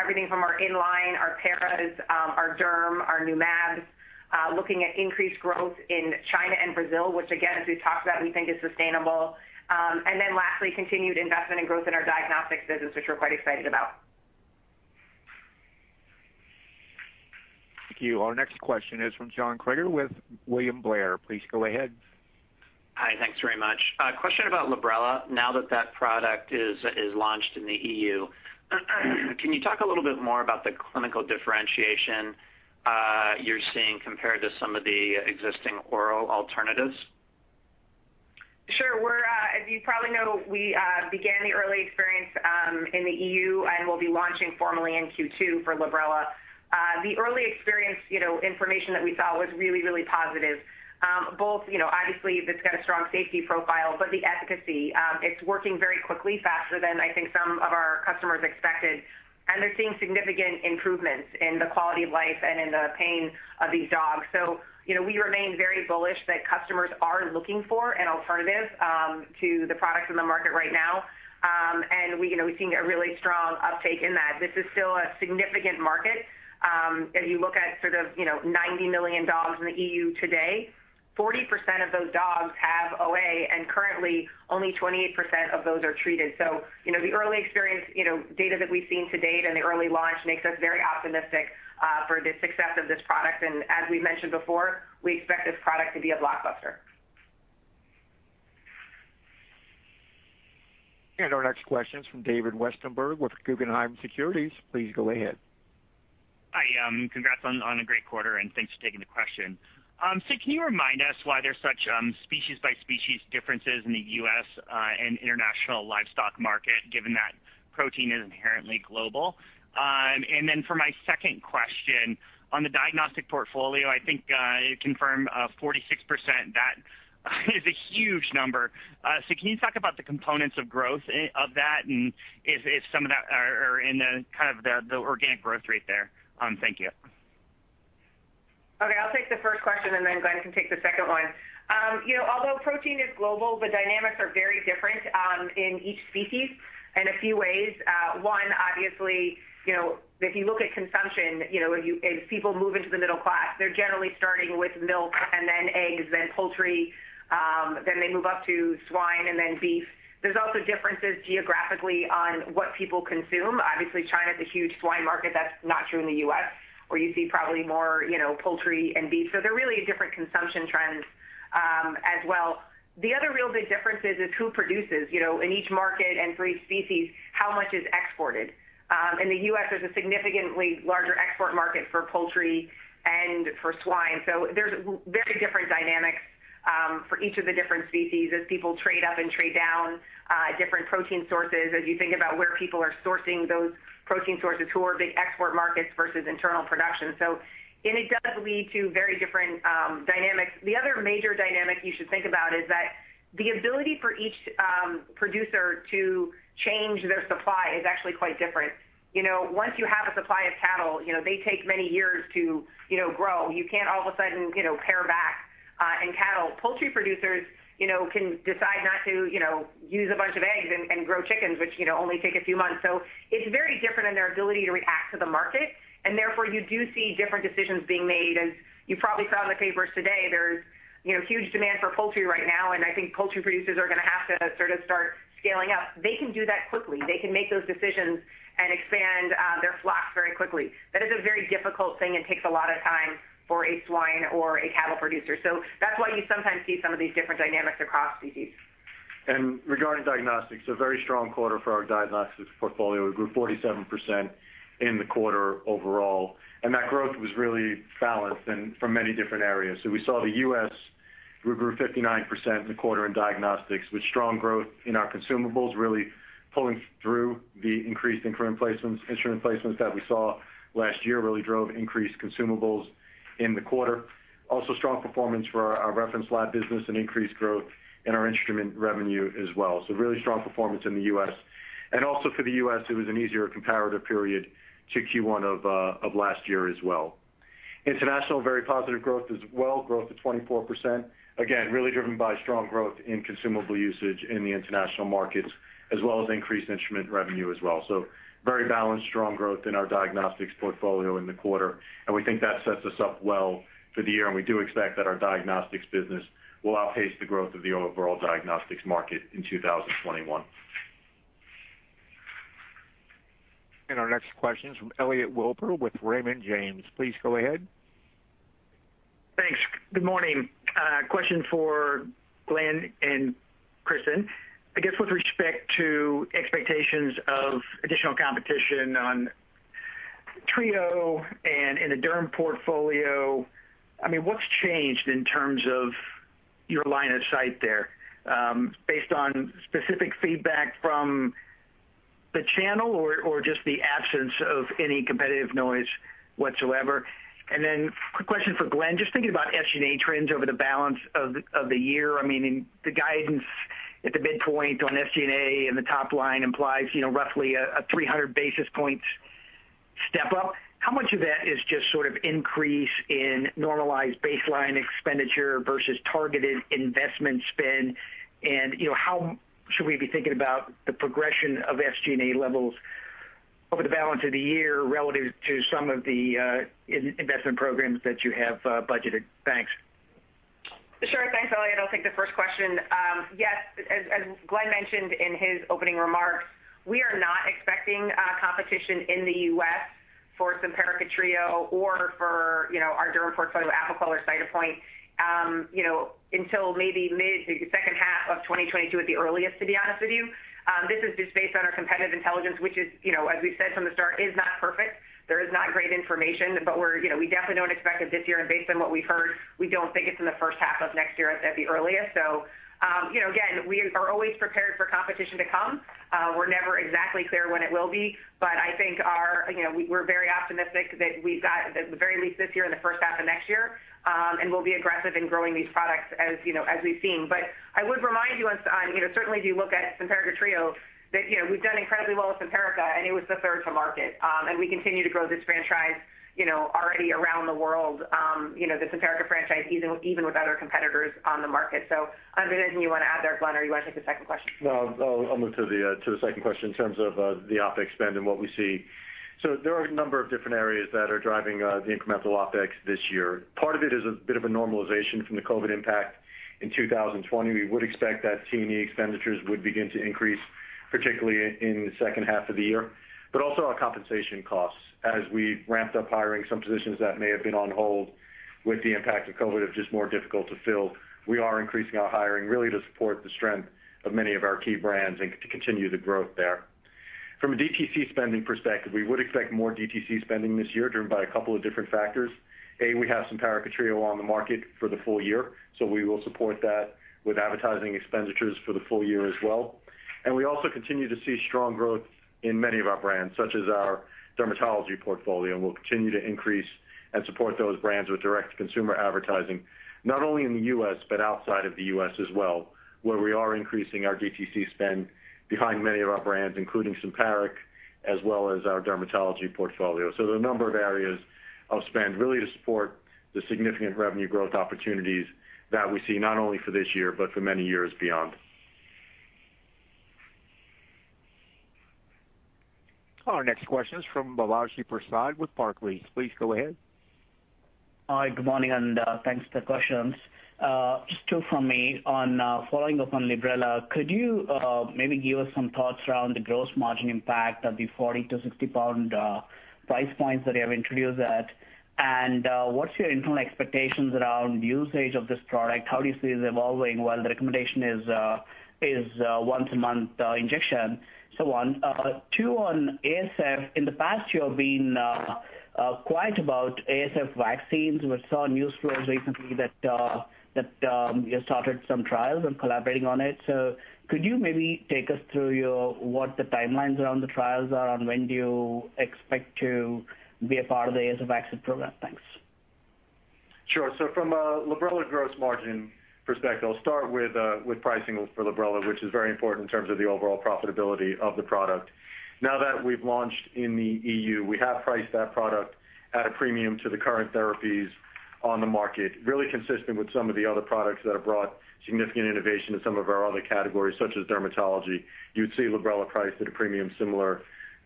everything from our inline, our paras, our derm, our new mabs, looking at increased growth in China and Brazil, which again, as we've talked about, we think is sustainable. Lastly, continued investment and growth in our diagnostic business, which we're quite excited about. Thank you. Our next question is from John Kreger with William Blair. Please go ahead. Hi. Thanks very much. A question about Librela. Now that that product is launched in the EU, can you talk a little bit more about the clinical differentiation you're seeing compared to some of the existing oral alternatives? Sure. As you probably know, we began the early experience in the EU and will be launching formally in Q2 for Librela. The early experience information that we saw was really positive. Both obviously it's got a strong safety profile, but the efficacy, it's working very quickly, faster than I think some of our customers expected, and they're seeing significant improvements in the quality of life and in the pain of these dogs. We remain very bullish that customers are looking for an alternative to the products in the market right now. We've seen a really strong uptake in that. This is still a significant market. If you look at sort of 90 million dogs in the EU today, 40% of those dogs have OA, and currently only 28% of those are treated. The early experience data that we've seen to date and the early launch makes us very optimistic for the success of this product. As we mentioned before, we expect this product to be a blockbuster. Our next question's from David Westenberg with Guggenheim Securities. Please go ahead. Hi. Congrats on a great quarter and thanks for taking the question. Can you remind us why there's such species by species differences in the U.S. and international livestock market, given that protein is inherently global? Then for my second question, on the diagnostic portfolio, I think you confirmed 46%. That is a huge number. Can you talk about the components of growth of that, and if some of that are in the kind of the organic growth rate there? Thank you. Okay. I'll take the first question and then Glenn can take the second one. Although protein is global, the dynamics are very different in each species in a few ways. One, obviously, if you look at consumption, as people move into the middle class, they're generally starting with milk and then eggs, then poultry, then they move up to swine and then beef. There's also differences geographically on what people consume. Obviously, China is a huge swine market. That's not true in the U.S., where you see probably more poultry and beef. They're really different consumption trends as well. The other real big difference is who produces. In each market and for each species, how much is exported? In the U.S. there's a significantly larger export market for poultry and for swine. There's very different dynamics for each of the different species as people trade up and trade down different protein sources as you think about where people are sourcing those protein sources, who are big export markets versus internal production. It does lead to very different dynamics. The other major dynamic you should think about is that the ability for each producer to change their supply is actually quite different. Once you have a supply of cattle, they take many years to grow. You can't all of a sudden pare back in cattle. Poultry producers can decide not to use a bunch of eggs and grow chickens, which only take a few months. It's very different in their ability to react to the market, and therefore you do see different decisions being made. You probably saw in the papers today, there's huge demand for poultry right now, and I think poultry producers are going to have to sort of start scaling up. They can do that quickly. They can make those decisions and expand their flocks very quickly. That is a very difficult thing and takes a lot of time for a swine or a cattle producer. That's why you sometimes see some of these different dynamics across species. Regarding diagnostics, a very strong quarter for our diagnostics portfolio. We grew 47% in the quarter overall, and that growth was really balanced and from many different areas. We saw the U.S., we grew 59% in the quarter in diagnostics with strong growth in our consumables really pulling through the increased instrument placements that we saw last year really drove increased consumables in the quarter. Also strong performance for our reference lab business and increased growth in our instrument revenue as well. Really strong performance in the U.S. Also for the U.S., it was an easier comparative period to Q1 of last year as well. International, very positive growth as well. Growth of 24%. Again, really driven by strong growth in consumable usage in the international markets as well as increased instrument revenue as well. Very balanced, strong growth in our diagnostics portfolio in the quarter, and we think that sets us up well for the year, and we do expect that our diagnostics business will outpace the growth of the overall diagnostics market in 2021. Our next question is from Elliot Wilbur with Raymond James. Please go ahead. Good morning. A question for Glenn and Kristin. I guess with respect to expectations of additional competition on Trio and in the derm portfolio, what's changed in terms of your line of sight there based on specific feedback from the channel or just the absence of any competitive noise whatsoever? Quick question for Glenn, just thinking about SG&A trends over the balance of the year. The guidance at the midpoint on SG&A and the top line implies roughly a 300 basis points step up. How much of that is just sort of increase in normalized baseline expenditure versus targeted investment spend? How should we be thinking about the progression of SG&A levels over the balance of the year relative to some of the investment programs that you have budgeted? Thanks. Thanks, Elliot. I'll take the first question. As Glenn mentioned in his opening remarks, we are not expecting competition in the U.S. for Simparica Trio or for our derm portfolio, Apoquel or Cytopoint, until maybe mid to second half of 2022 at the earliest, to be honest with you. This is just based on our competitive intelligence, which, as we've said from the start, is not perfect. There is not great information. We definitely don't expect it this year, based on what we've heard, we don't think it's in the first half of next year at the earliest. Again, we are always prepared for competition to come. We're never exactly clear when it will be. I think we're very optimistic that we've got at the very least this year and the first half of next year. We'll be aggressive in growing these products as we've seen. I would remind you on, certainly if you look at Simparica Trio, that we've done incredibly well with Simparica, and it was the third to market. We continue to grow this franchise already around the world, the Simparica franchise, even with other competitors on the market. Anything you want to add there, Glenn, or you want to take the second question? No, I'll move to the second question in terms of the OpEx spend and what we see. There are a number of different areas that are driving the incremental OpEx this year. Part of it is a bit of a normalization from the COVID impact in 2020. We would expect that T&E expenditures would begin to increase, particularly in the second half of the year. Also our compensation costs as we ramped up hiring some positions that may have been on hold with the impact of COVID have just more difficult to fill. We are increasing our hiring really to support the strength of many of our key brands and to continue the growth there. From a DTC spending perspective, we would expect more DTC spending this year driven by a couple of different factors. We have Simparica Trio on the market for the full year, so we will support that with advertising expenditures for the full year as well. We also continue to see strong growth in many of our brands, such as our dermatology portfolio, and we'll continue to increase and support those brands with direct consumer advertising, not only in the U.S. but outside of the U.S. as well, where we are increasing our DTC spend behind many of our brands, including Simparica, as well as our dermatology portfolio. There are a number of areas of spend really to support the significant revenue growth opportunities that we see not only for this year but for many years beyond. Our next question is from Balaji Prasad with Barclays. Please go ahead. Hi, good morning, and thanks for the questions. Just two from me. Following up on Librela, could you maybe give us some thoughts around the gross margin impact of the 40-60 pound price points that you have introduced at? What's your internal expectations around usage of this product? How do you see it evolving while the recommendation is once a month injection? On two on ASF, in the past, you have been quiet about ASF vaccines. We saw news flows recently that you started some trials and collaborating on it. Could you maybe take us through what the timelines around the trials are and when do you expect to be a part of the ASF vaccine program? Thanks. Sure. From a Librela gross margin perspective, I'll start with pricing for Librela, which is very important in terms of the overall profitability of the product. Now that we've launched in the EU, we have priced that product at a premium to the current therapies on the market, really consistent with some of the other products that have brought significant innovation to some of our other categories, such as dermatology. You would see Librela priced at a premium similar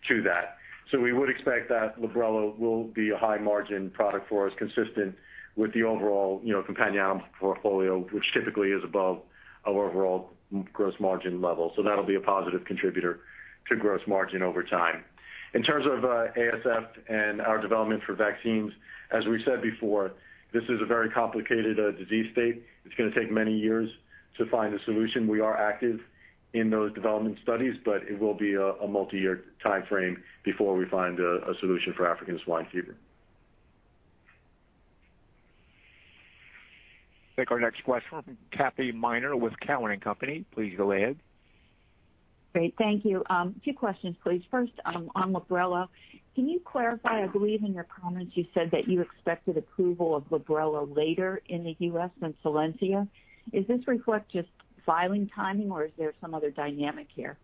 to that. We would expect that Librela will be a high margin product for us, consistent with the overall companion animal portfolio, which typically is above our overall gross margin level. That'll be a positive contributor to gross margin over time. In terms of ASF and our development for vaccines, as we said before, this is a very complicated disease state. It's going to take many years to find a solution. We are active in those development studies. It will be a multi-year timeframe before we find a solution for African swine fever. Take our next question from Kathy Miner with Cowen & Company. Please go ahead. Great. Thank you. Two questions, please. First, on Librela, can you clarify, I believe in your comments you said that you expected approval of Librela later in the U.S. than Solensia. Is this reflect just filing timing or is there some other dynamic here?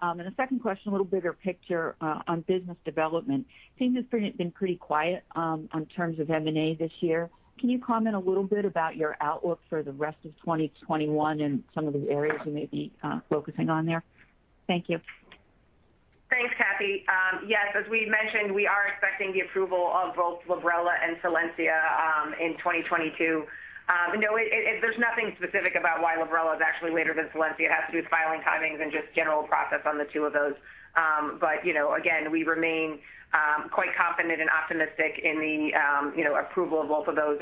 The second question, a little bigger picture, on business development. Things have been pretty quiet in terms of M&A this year. Can you comment a little bit about your outlook for the rest of 2021 and some of the areas you may be focusing on there? Thank you. Thanks, Kathy. Yes, as we mentioned, we are expecting the approval of both Librela and Solensia in 2022. No, there's nothing specific about why Librela is actually later than Solensia. It has to do with filing timings and just general process on the two of those. Again, we remain quite confident and optimistic in the approval of both of those.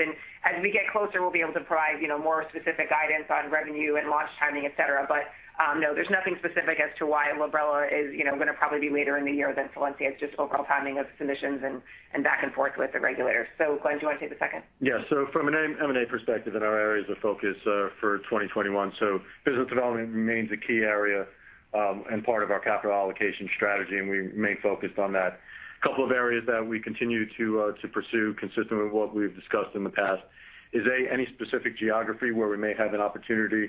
As we get closer, we'll be able to provide more specific guidance on revenue and launch timing, et cetera. No, there's nothing specific as to why Librela is going to probably be later in the year than Solensia. It's just overall timing of submissions and back and forth with the regulators. Glenn, do you want to take the second? Yeah. From an M&A perspective and our areas of focus for 2021, business development remains a key area and part of our capital allocation strategy, and we remain focused on that. Couple of areas that we continue to pursue, consistent with what we've discussed in the past, is, A, any specific geography where we may have an opportunity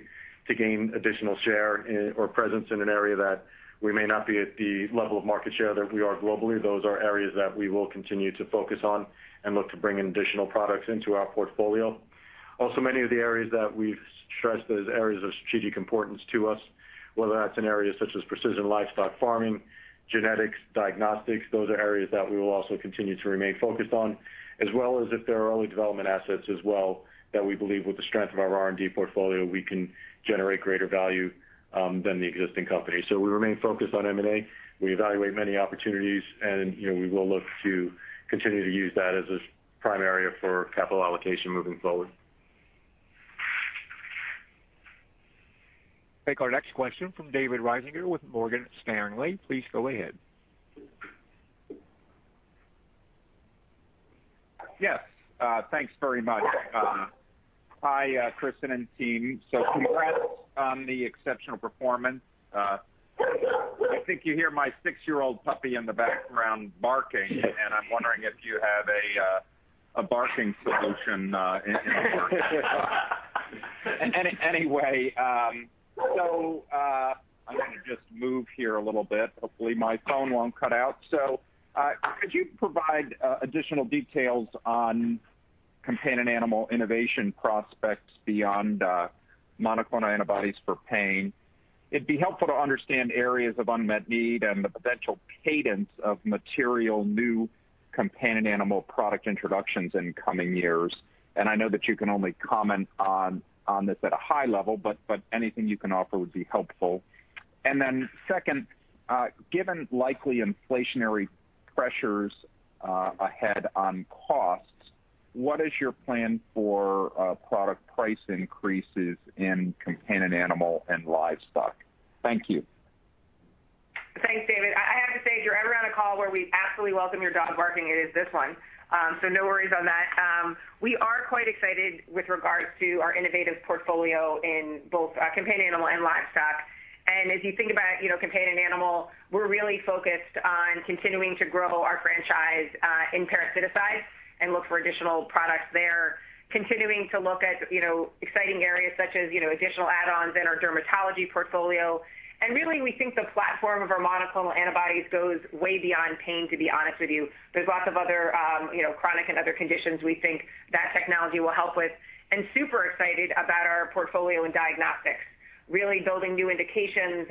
to gain additional share or presence in an area that we may not be at the level of market share that we are globally. Those are areas that we will continue to focus on and look to bring in additional products into our portfolio. Many of the areas that we've stressed as areas of strategic importance to us, whether that's in areas such as precision livestock farming, genetics, diagnostics, those are areas that we will also continue to remain focused on, as well as if there are early development assets as well, that we believe with the strength of our R&D portfolio, we can generate greater value than the existing company. We remain focused on M&A. We evaluate many opportunities, and we will look to continue to use that as a prime area for capital allocation moving forward. Take our next question from David Risinger with Morgan Stanley. Please go ahead. Yes. Thanks very much. Hi, Kristin and team. Congrats on the exceptional performance. I think you hear my six-year-old puppy in the background barking, and I'm wondering if you have a barking solution in the works. Anyway, I'm going to just move here a little bit. Hopefully, my phone won't cut out. Could you provide additional details on companion animal innovation prospects beyond monoclonal antibodies for pain? It'd be helpful to understand areas of unmet need and the potential cadence of material new companion animal product introductions in coming years. I know that you can only comment on this at a high level, but anything you can offer would be helpful. Second, given likely inflationary pressures ahead on costs, what is your plan for product price increases in companion animal and livestock? Thank you. Thanks, David. I have to say, if you're ever on a call where we absolutely welcome your dog barking, it is this one. No worries on that. We are quite excited with regards to our innovative portfolio in both companion animal and livestock. As you think about companion animal, we're really focused on continuing to grow our franchise in parasiticides and look for additional products there, continuing to look at exciting areas such as additional add-ons in our dermatology portfolio. Really, we think the platform of our monoclonal antibodies goes way beyond pain, to be honest with you. There's lots of other chronic and other conditions we think that technology will help with. Super excited about our portfolio in diagnostics, really building new indications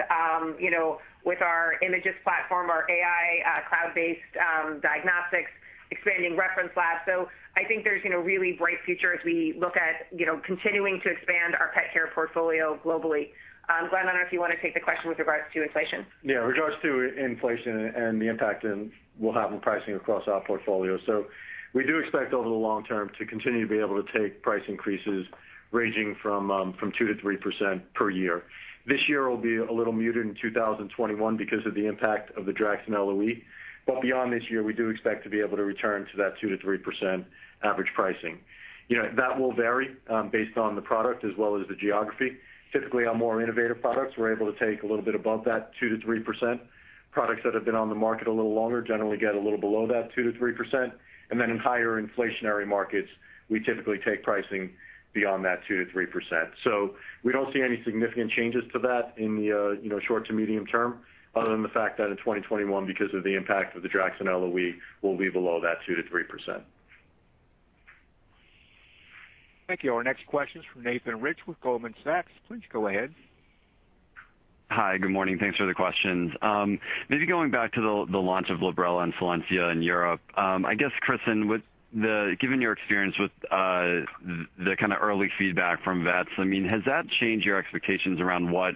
with our Imagyst platform, our AI cloud-based diagnostics, expanding reference labs. I think there's really bright future as we look at continuing to expand our pet care portfolio globally. Glenn, I don't know if you want to take the question with regards to inflation. Regards to inflation and the impact it will have on pricing across our portfolio. We do expect over the long term to continue to be able to take price increases ranging from 2%-3% per year. This year will be a little muted in 2021 because of the impact of the Draxxin LOE. Beyond this year, we do expect to be able to return to that 2%-3% average pricing. That will vary based on the product as well as the geography. Typically, on more innovative products, we're able to take a little bit above that 2%-3%. Products that have been on the market a little longer generally get a little below that 2%-3%. In higher inflationary markets, we typically take pricing beyond that 2%-3%. We don't see any significant changes to that in the short to medium term, other than the fact that in 2021, because of the impact of the Draxxin LOE, we'll be below that 2%-3%. Thank you. Our next question is from Nathan Rich with Goldman Sachs. Please go ahead. Hi. Good morning. Thanks for the questions. Maybe going back to the launch of Librela and Solensia in Europe. I guess, Kristin, given your experience with the kind of early feedback from vets, has that changed your expectations around what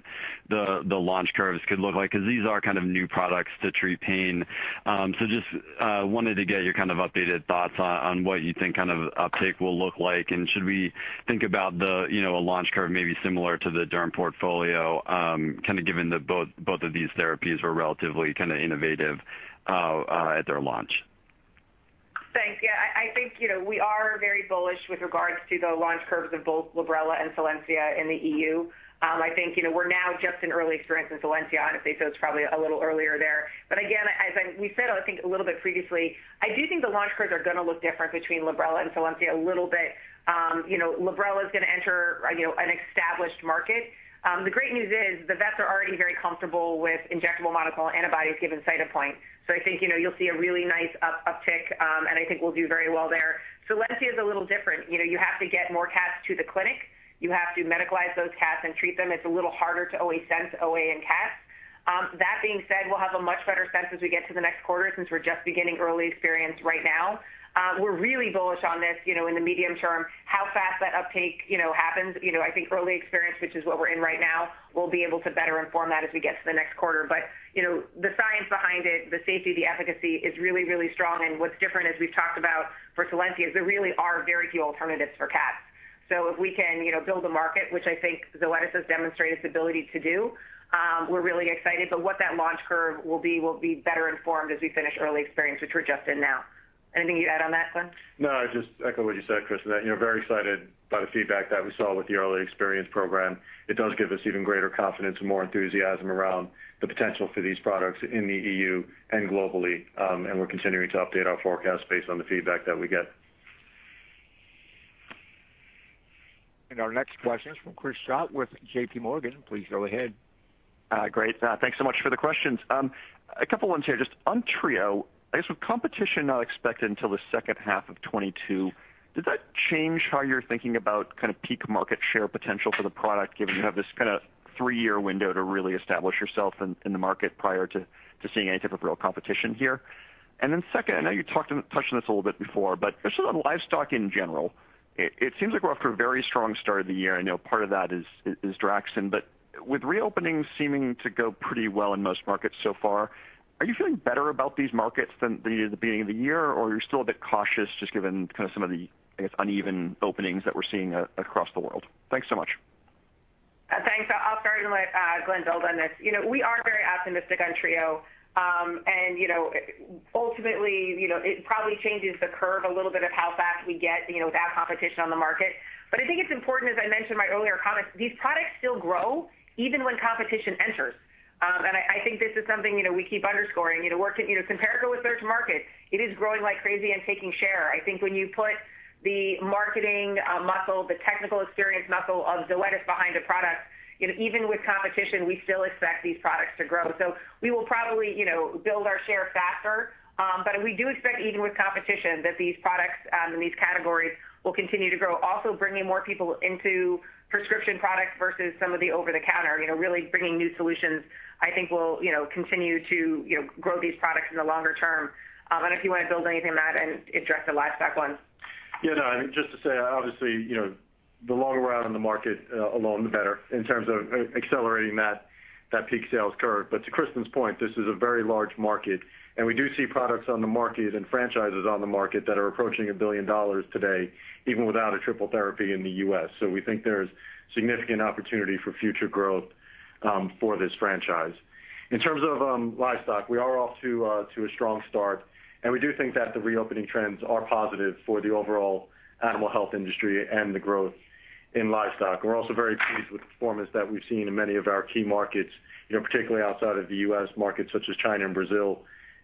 the launch curves could look like? Because these are kind of new products to treat pain. Just wanted to get your kind of updated thoughts on what you think kind of uptake will look like, and should we think about a launch curve maybe similar to the derm portfolio, kind of given that both of these therapies were relatively kind of innovative at their launch? Thanks. I think we are very bullish with regards to the launch curves of both Librela and Solensia in the EU. I think we're now just in early experience in Solensia, honestly, it's probably a little earlier there. Again, as we said, I think a little bit previously, I do think the launch curves are going to look different between Librela and Solensia a little bit. Librela is going to enter an established market. The great news is the vets are already very comfortable with injectable monoclonal antibodies given Cytopoint. I think you'll see a really nice uptick, and I think we'll do very well there. Solensia is a little different. You have to get more cats to the clinic. You have to medicalize those cats and treat them. It's a little harder to OA sense, OA in cats. That being said, we'll have a much better sense as we get to the next quarter since we're just beginning early experience right now. We're really bullish on this, in the medium term, how fast that uptake happens. I think early experience, which is what we're in right now, we'll be able to better inform that as we get to the next quarter. The science behind it, the safety, the efficacy is really, really strong. What's different, as we've talked about for Solensia, is there really are very few alternatives for cats. If we can build a market, which I think Zoetis has demonstrated its ability to do, we're really excited. What that launch curve will be, will be better informed as we finish early experience, which we're just in now. Anything you'd add on that, Glenn? No, I just echo what you said, Kristin, that very excited by the feedback that we saw with the early experience program. It does give us even greater confidence and more enthusiasm around the potential for these products in the EU and globally. We're continuing to update our forecast based on the feedback that we get. Our next question is from Chris Schott with JPMorgan. Please go ahead. Great. Thanks so much for the questions. A couple ones here. On Trio, I guess, with competition not expected until the second half of 2022, does that change how you're thinking about kind of peak market share potential for the product, given you have this kind of three-year window to really establish yourself in the market prior to seeing any type of real competition here? Second, I know you touched on this a little bit before, but just on livestock in general, it seems like we're off to a very strong start of the year. Part of that is Draxxin. With reopenings seeming to go pretty well in most markets so far, are you feeling better about these markets than the beginning of the year? You're still a bit cautious just given kind of some of the, I guess, uneven openings that we're seeing across the world? Thanks so much. Thanks. I'll start and let Glenn build on this. Ultimately, it probably changes the curve a little bit of how fast we get that competition on the market. I think it's important, as I mentioned in my earlier comments, these products still grow even when competition enters. I think this is something we keep underscoring. Compare it with large markets. It is growing like crazy and taking share. I think when you put the marketing muscle, the technical experience muscle of Zoetis behind a product, even with competition, we still expect these products to grow. We will probably build our share faster. We do expect, even with competition, that these products in these categories will continue to grow. Also bringing more people into prescription products versus some of the over-the-counter, really bringing new solutions, I think will continue to grow these products in the longer term. If you want to build anything on that and address the livestock one. Yeah. No, I think just to say, obviously, the longer we're out in the market alone, the better in terms of accelerating that peak sales curve. To Kristin's point, this is a very large market, and we do see products on the market and franchises on the market that are approaching $1 billion today, even without a triple therapy in the U.S. We think there's significant opportunity for future growth for this franchise. In terms of livestock, we are off to a strong start, and we do think that the reopening trends are positive for the overall animal health industry and the growth in livestock. We're also very pleased with the performance that we've seen in many of our key markets, particularly outside of the U.S. markets such as China and Brazil,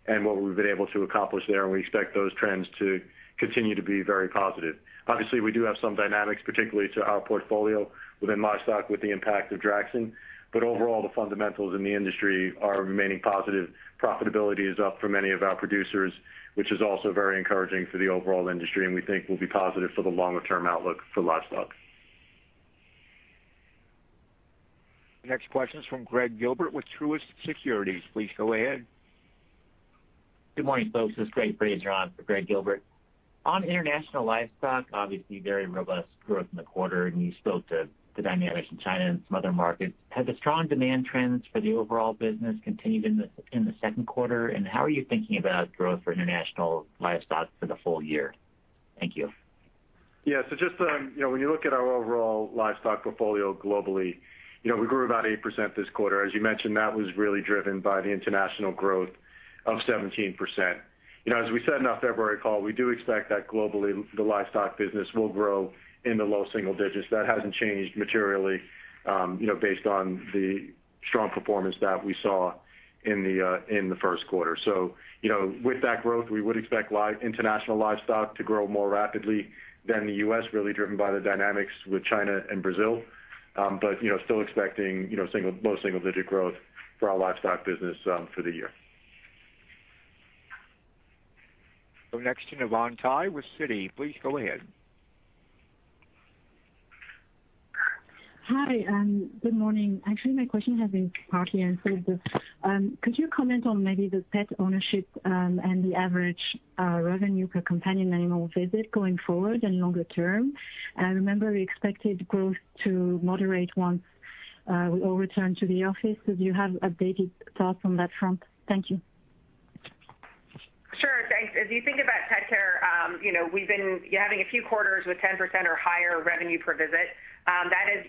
and what we've been able to accomplish there. We expect those trends to continue to be very positive. Obviously, we do have some dynamics, particularly to our portfolio within livestock with the impact of Draxxin. Overall, the fundamentals in the industry are remaining positive. Profitability is up for many of our producers, which is also very encouraging for the overall industry. We think will be positive for the longer-term outlook for livestock. The next question is from Gregg Gilbert with Truist Securities. Please go ahead. Good morning, folks. This is Greg Fraser on for Gregg Gilbert. International livestock, obviously very robust growth in the quarter, and you spoke to the dynamics in China and some other markets. Have the strong demand trends for the overall business continued in the second quarter, and how are you thinking about growth for international livestock for the full year? Thank you. Yeah. Just when you look at our overall livestock portfolio globally, we grew about 8% this quarter. As you mentioned, that was really driven by the international growth of 17%. As we said in our February call, we do expect that globally, the livestock business will grow in the low single digits. That hasn't changed materially based on the strong performance that we saw in the first quarter. With that growth, we would expect international livestock to grow more rapidly than the U.S., really driven by the dynamics with China and Brazil. Still expecting low single-digit growth for our livestock business for the year. Go next to Navann Ty with Citi. Please go ahead. Hi. Good morning. Actually, my question has been partly answered. Could you comment on maybe the pet ownership, and the average revenue per companion animal visit going forward and longer term? I remember we expected growth to moderate once we all return to the office. Do you have updated thoughts on that front? Thank you. Sure. Thanks. As you think about pet care, we've been having a few quarters with 10% or higher revenue per visit. That has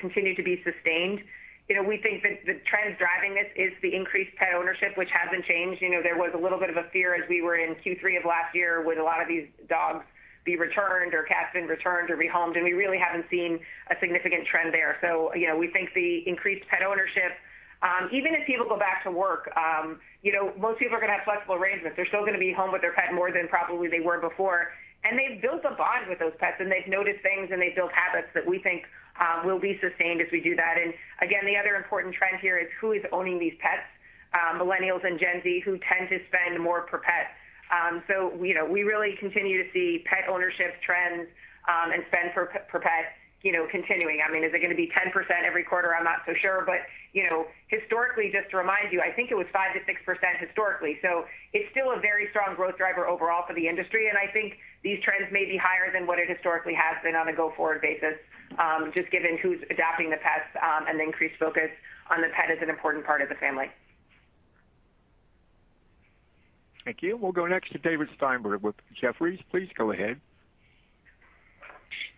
continued to be sustained. We think that the trends driving this is the increased pet ownership, which hasn't changed. There was a little bit of a fear as we were in Q3 of last year, would a lot of these dogs be returned or cats being returned or rehomed, and we really haven't seen a significant trend there. We think the increased pet ownership, even if people go back to work, most people are going to have flexible arrangements. They're still going to be home with their pet more than probably they were before. They've built a bond with those pets, and they've noticed things and they've built habits that we think will be sustained as we do that. Again, the other important trend here is who is owning these pets, Millennials and Gen Z who tend to spend more per pet. We really continue to see pet ownership trends and spend per pet continuing. Is it going to be 10% every quarter? I'm not so sure. Historically, just to remind you, I think it was 5%-6% historically. It's still a very strong growth driver overall for the industry, and I think these trends may be higher than what it historically has been on a go-forward basis, just given who's adopting the pets and the increased focus on the pet as an important part of the family. Thank you. We'll go next to David Steinberg with Jefferies. Please go ahead.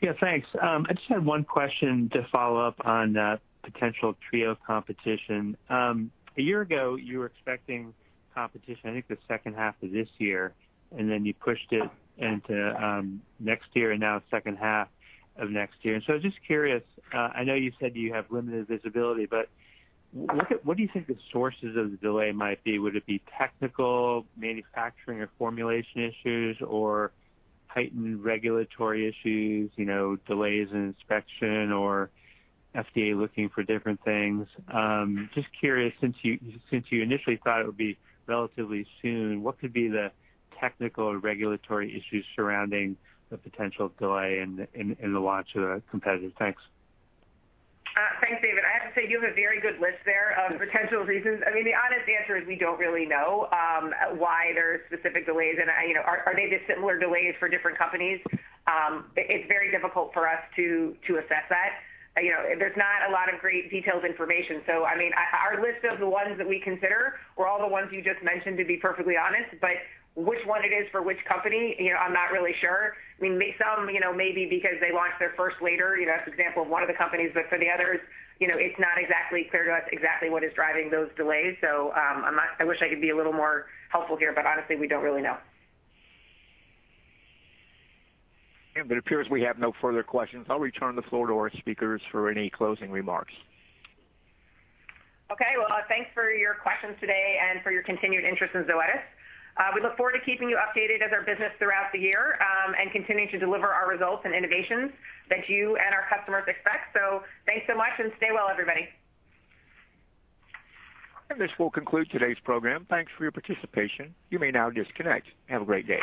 Yeah, thanks. I just had one question to follow up on potential Trio competition. A year ago, you were expecting competition, I think the second half of this year, and then you pushed it into next year and now second half of next year. Just curious, I know you said you have limited visibility, but what do you think the sources of the delay might be? Would it be technical, manufacturing, or formulation issues, or heightened regulatory issues, delays in inspection, or FDA looking for different things? Just curious since you initially thought it would be relatively soon, what could be the technical or regulatory issues surrounding the potential delay in the launch of the competitor? Thanks. Thanks, David. I have to say, you have a very good list there of potential reasons. The honest answer is we don't really know why there's specific delays and are they just similar delays for different companies. It's very difficult for us to assess that. There's not a lot of great detailed information. Our list of the ones that we consider were all the ones you just mentioned, to be perfectly honest, but which one it is for which company, I'm not really sure. Some, maybe because they launched their first later, that's an example of one of the companies. For the others, it's not exactly clear to us exactly what is driving those delays. I wish I could be a little more helpful here, but honestly, we don't really know. It appears we have no further questions. I'll return the floor to our speakers for any closing remarks. Okay. Well, thanks for your questions today and for your continued interest in Zoetis. We look forward to keeping you updated as our business throughout the year and continuing to deliver our results and innovations that you and our customers expect. Thanks so much and stay well, everybody. This will conclude today's program. Thanks for your participation. You may now disconnect. Have a great day